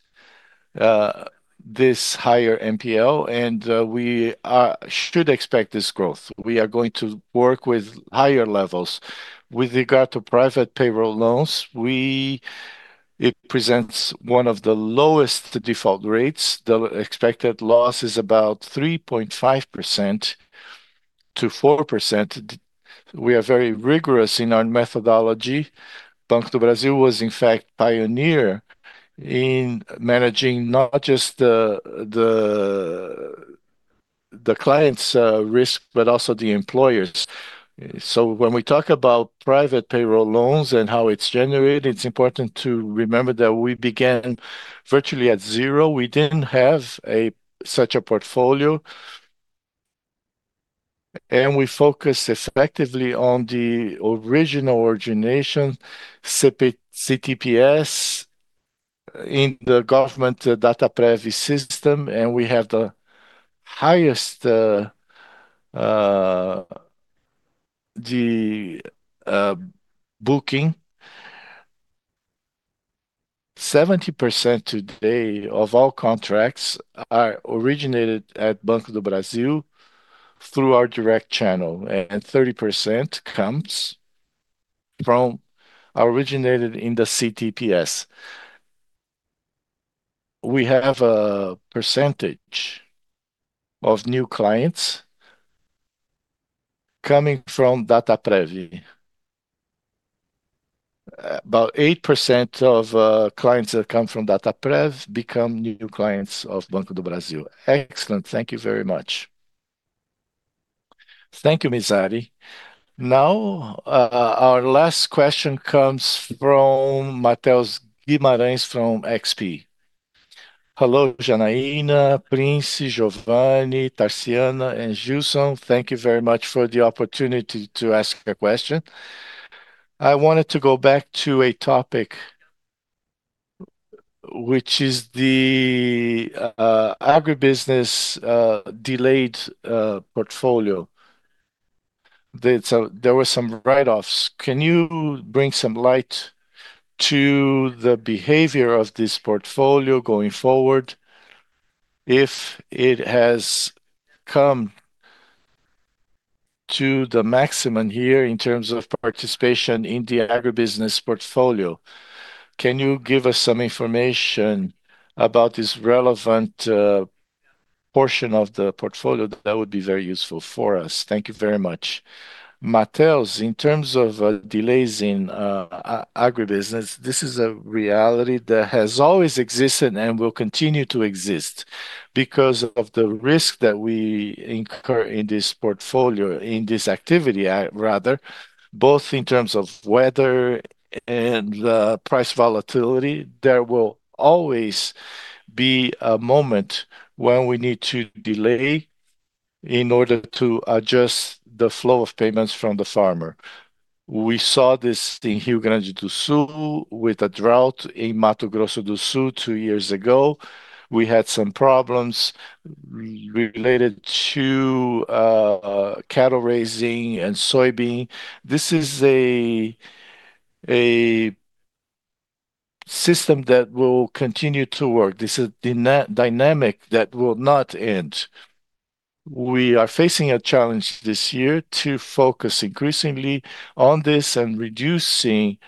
this higher NPL, and we should expect this growth. We are going to work with higher levels. With regard to private payroll loans, it presents one of the lowest default rates. The expected loss is about 3.5%-4%. We are very rigorous in our methodology. Banco do Brasil was in fact pioneer in managing not just the client's risk, but also the employers. So when we talk about private payroll loans and how it's generated, it's important to remember that we began virtually at zero. We didn't have such a portfolio, and we focused effectively on the original origination, CTPS, in the government Dataprev system, and we have the highest. 70% today of all contracts are originated at Banco do Brasil through our direct channel, and 30% comes from, are originated in the CTPS. We have a percentage of new clients coming from Dataprev. About 8% of clients that come from Dataprev become new clients of Banco do Brasil. Excellent. Thank you very much. Thank you, Mizrahi. Now, our last question comes from Matheus Guimarães from XP. Hello, Janaína, Prince, Geovanne, Tarciana, and Gilson. Thank you very much for the opportunity to ask a question. I wanted to go back to a topic, which is the agribusiness delayed portfolio. So there were some write-offs. Can you bring some light to the behavior of this portfolio going forward, if it has come to the maximum here in terms of participation in the agribusiness portfolio? Can you give us some information about this relevant portion of the portfolio? That would be very useful for us. Thank you very much. Matheus, in terms of delays in agribusiness, this is a reality that has always existed and will continue to exist because of the risk that we incur in this portfolio, in this activity, rather, both in terms of weather and price volatility. There will always be a moment when we need to delay in order to adjust the flow of payments from the farmer. We saw this in Rio Grande do Sul with a drought in Mato Grosso do Sul two years ago. We had some problems related to cattle raising and soybean. This is a system that will continue to work. This is dynamic that will not end. We are facing a challenge this year to focus increasingly on this and reducing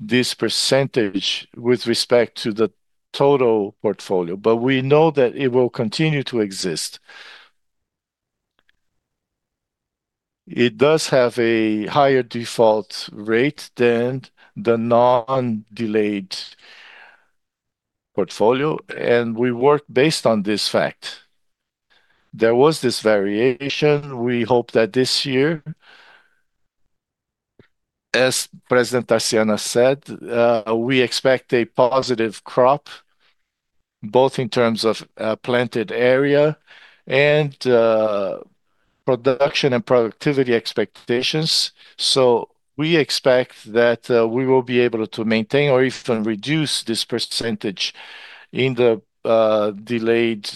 this percentage with respect to the total portfolio, but we know that it will continue to exist. It does have a higher default rate than the non-delayed portfolio, and we work based on this fact. There was this variation. We hope that this year, as President Tarciana said, we expect a positive crop, both in terms of, planted area and, production and productivity expectations. So we expect that, we will be able to maintain or even reduce this percentage in the, delayed,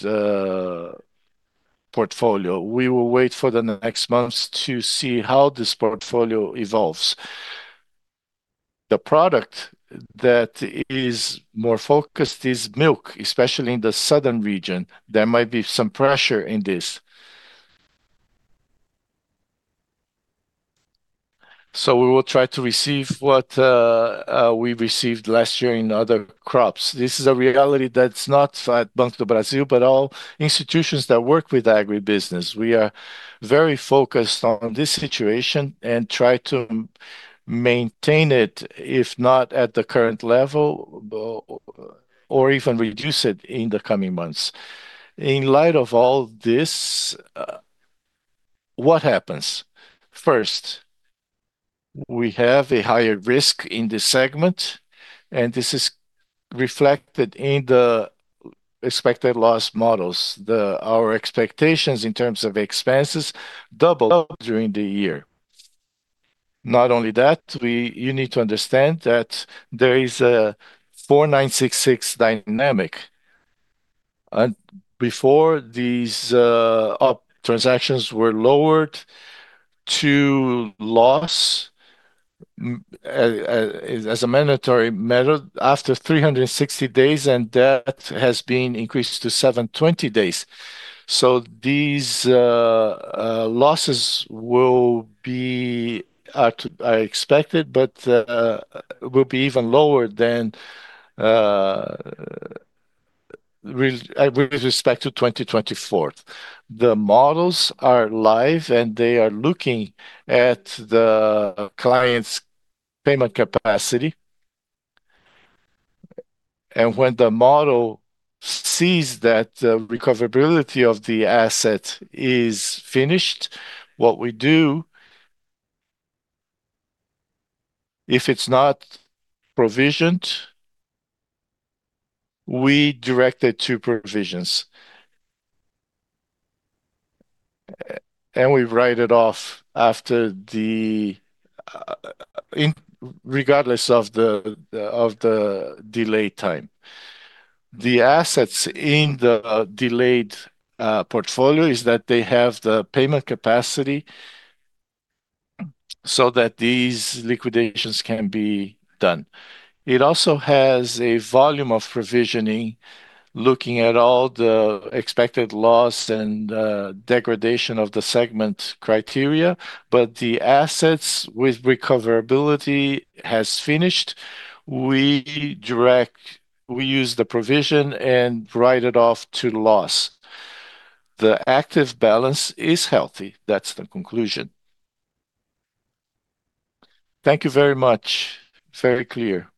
portfolio. We will wait for the next months to see how this portfolio evolves. The product that is more focused is milk, especially in the southern region. There might be some pressure in this. So we will try to receive what, we received last year in other crops. This is a reality that's not at Banco do Brasil, but all institutions that work with agribusiness. We are very focused on this situation and try to maintain it, if not at the current level, or even reduce it in the coming months. In light of all this, what happens? First, we have a higher risk in this segment, and this is reflected in the expected loss models. Our expectations in terms of expenses double up during the year. Not only that, you need to understand that there is a 4966 dynamic, and before these up transactions were lowered to loss as a mandatory measure after 360 days, and that has been increased to 720 days. So these losses will be, are expected, but will be even lower than with respect to 2024. The models are live, and they are looking at the client's payment capacity. When the model sees that the recoverability of the asset is finished, what we do, if it's not provisioned, we direct it to provisions, and we write it off after the, in regardless of the, the, of the delay time. The assets in the delayed portfolio is that they have the payment capacity, so that these liquidations can be done. It also has a volume of provisioning, lookhing at all the expected loss and, degradation of the segment criteria, but the assets with recoverability has finished. We use the provision and write it off to loss. The active balance is healthy. That's the conclusion. Thank you very much. Very clear.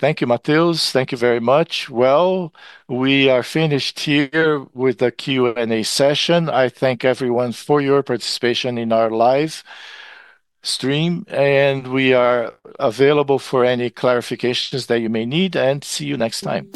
Thank you, Matheus. Thank you very much. Well, we are finished here with the Q&A session. I thank everyone for your participation in our live stream, and we are available for any clarifications that you may need, and see you next time.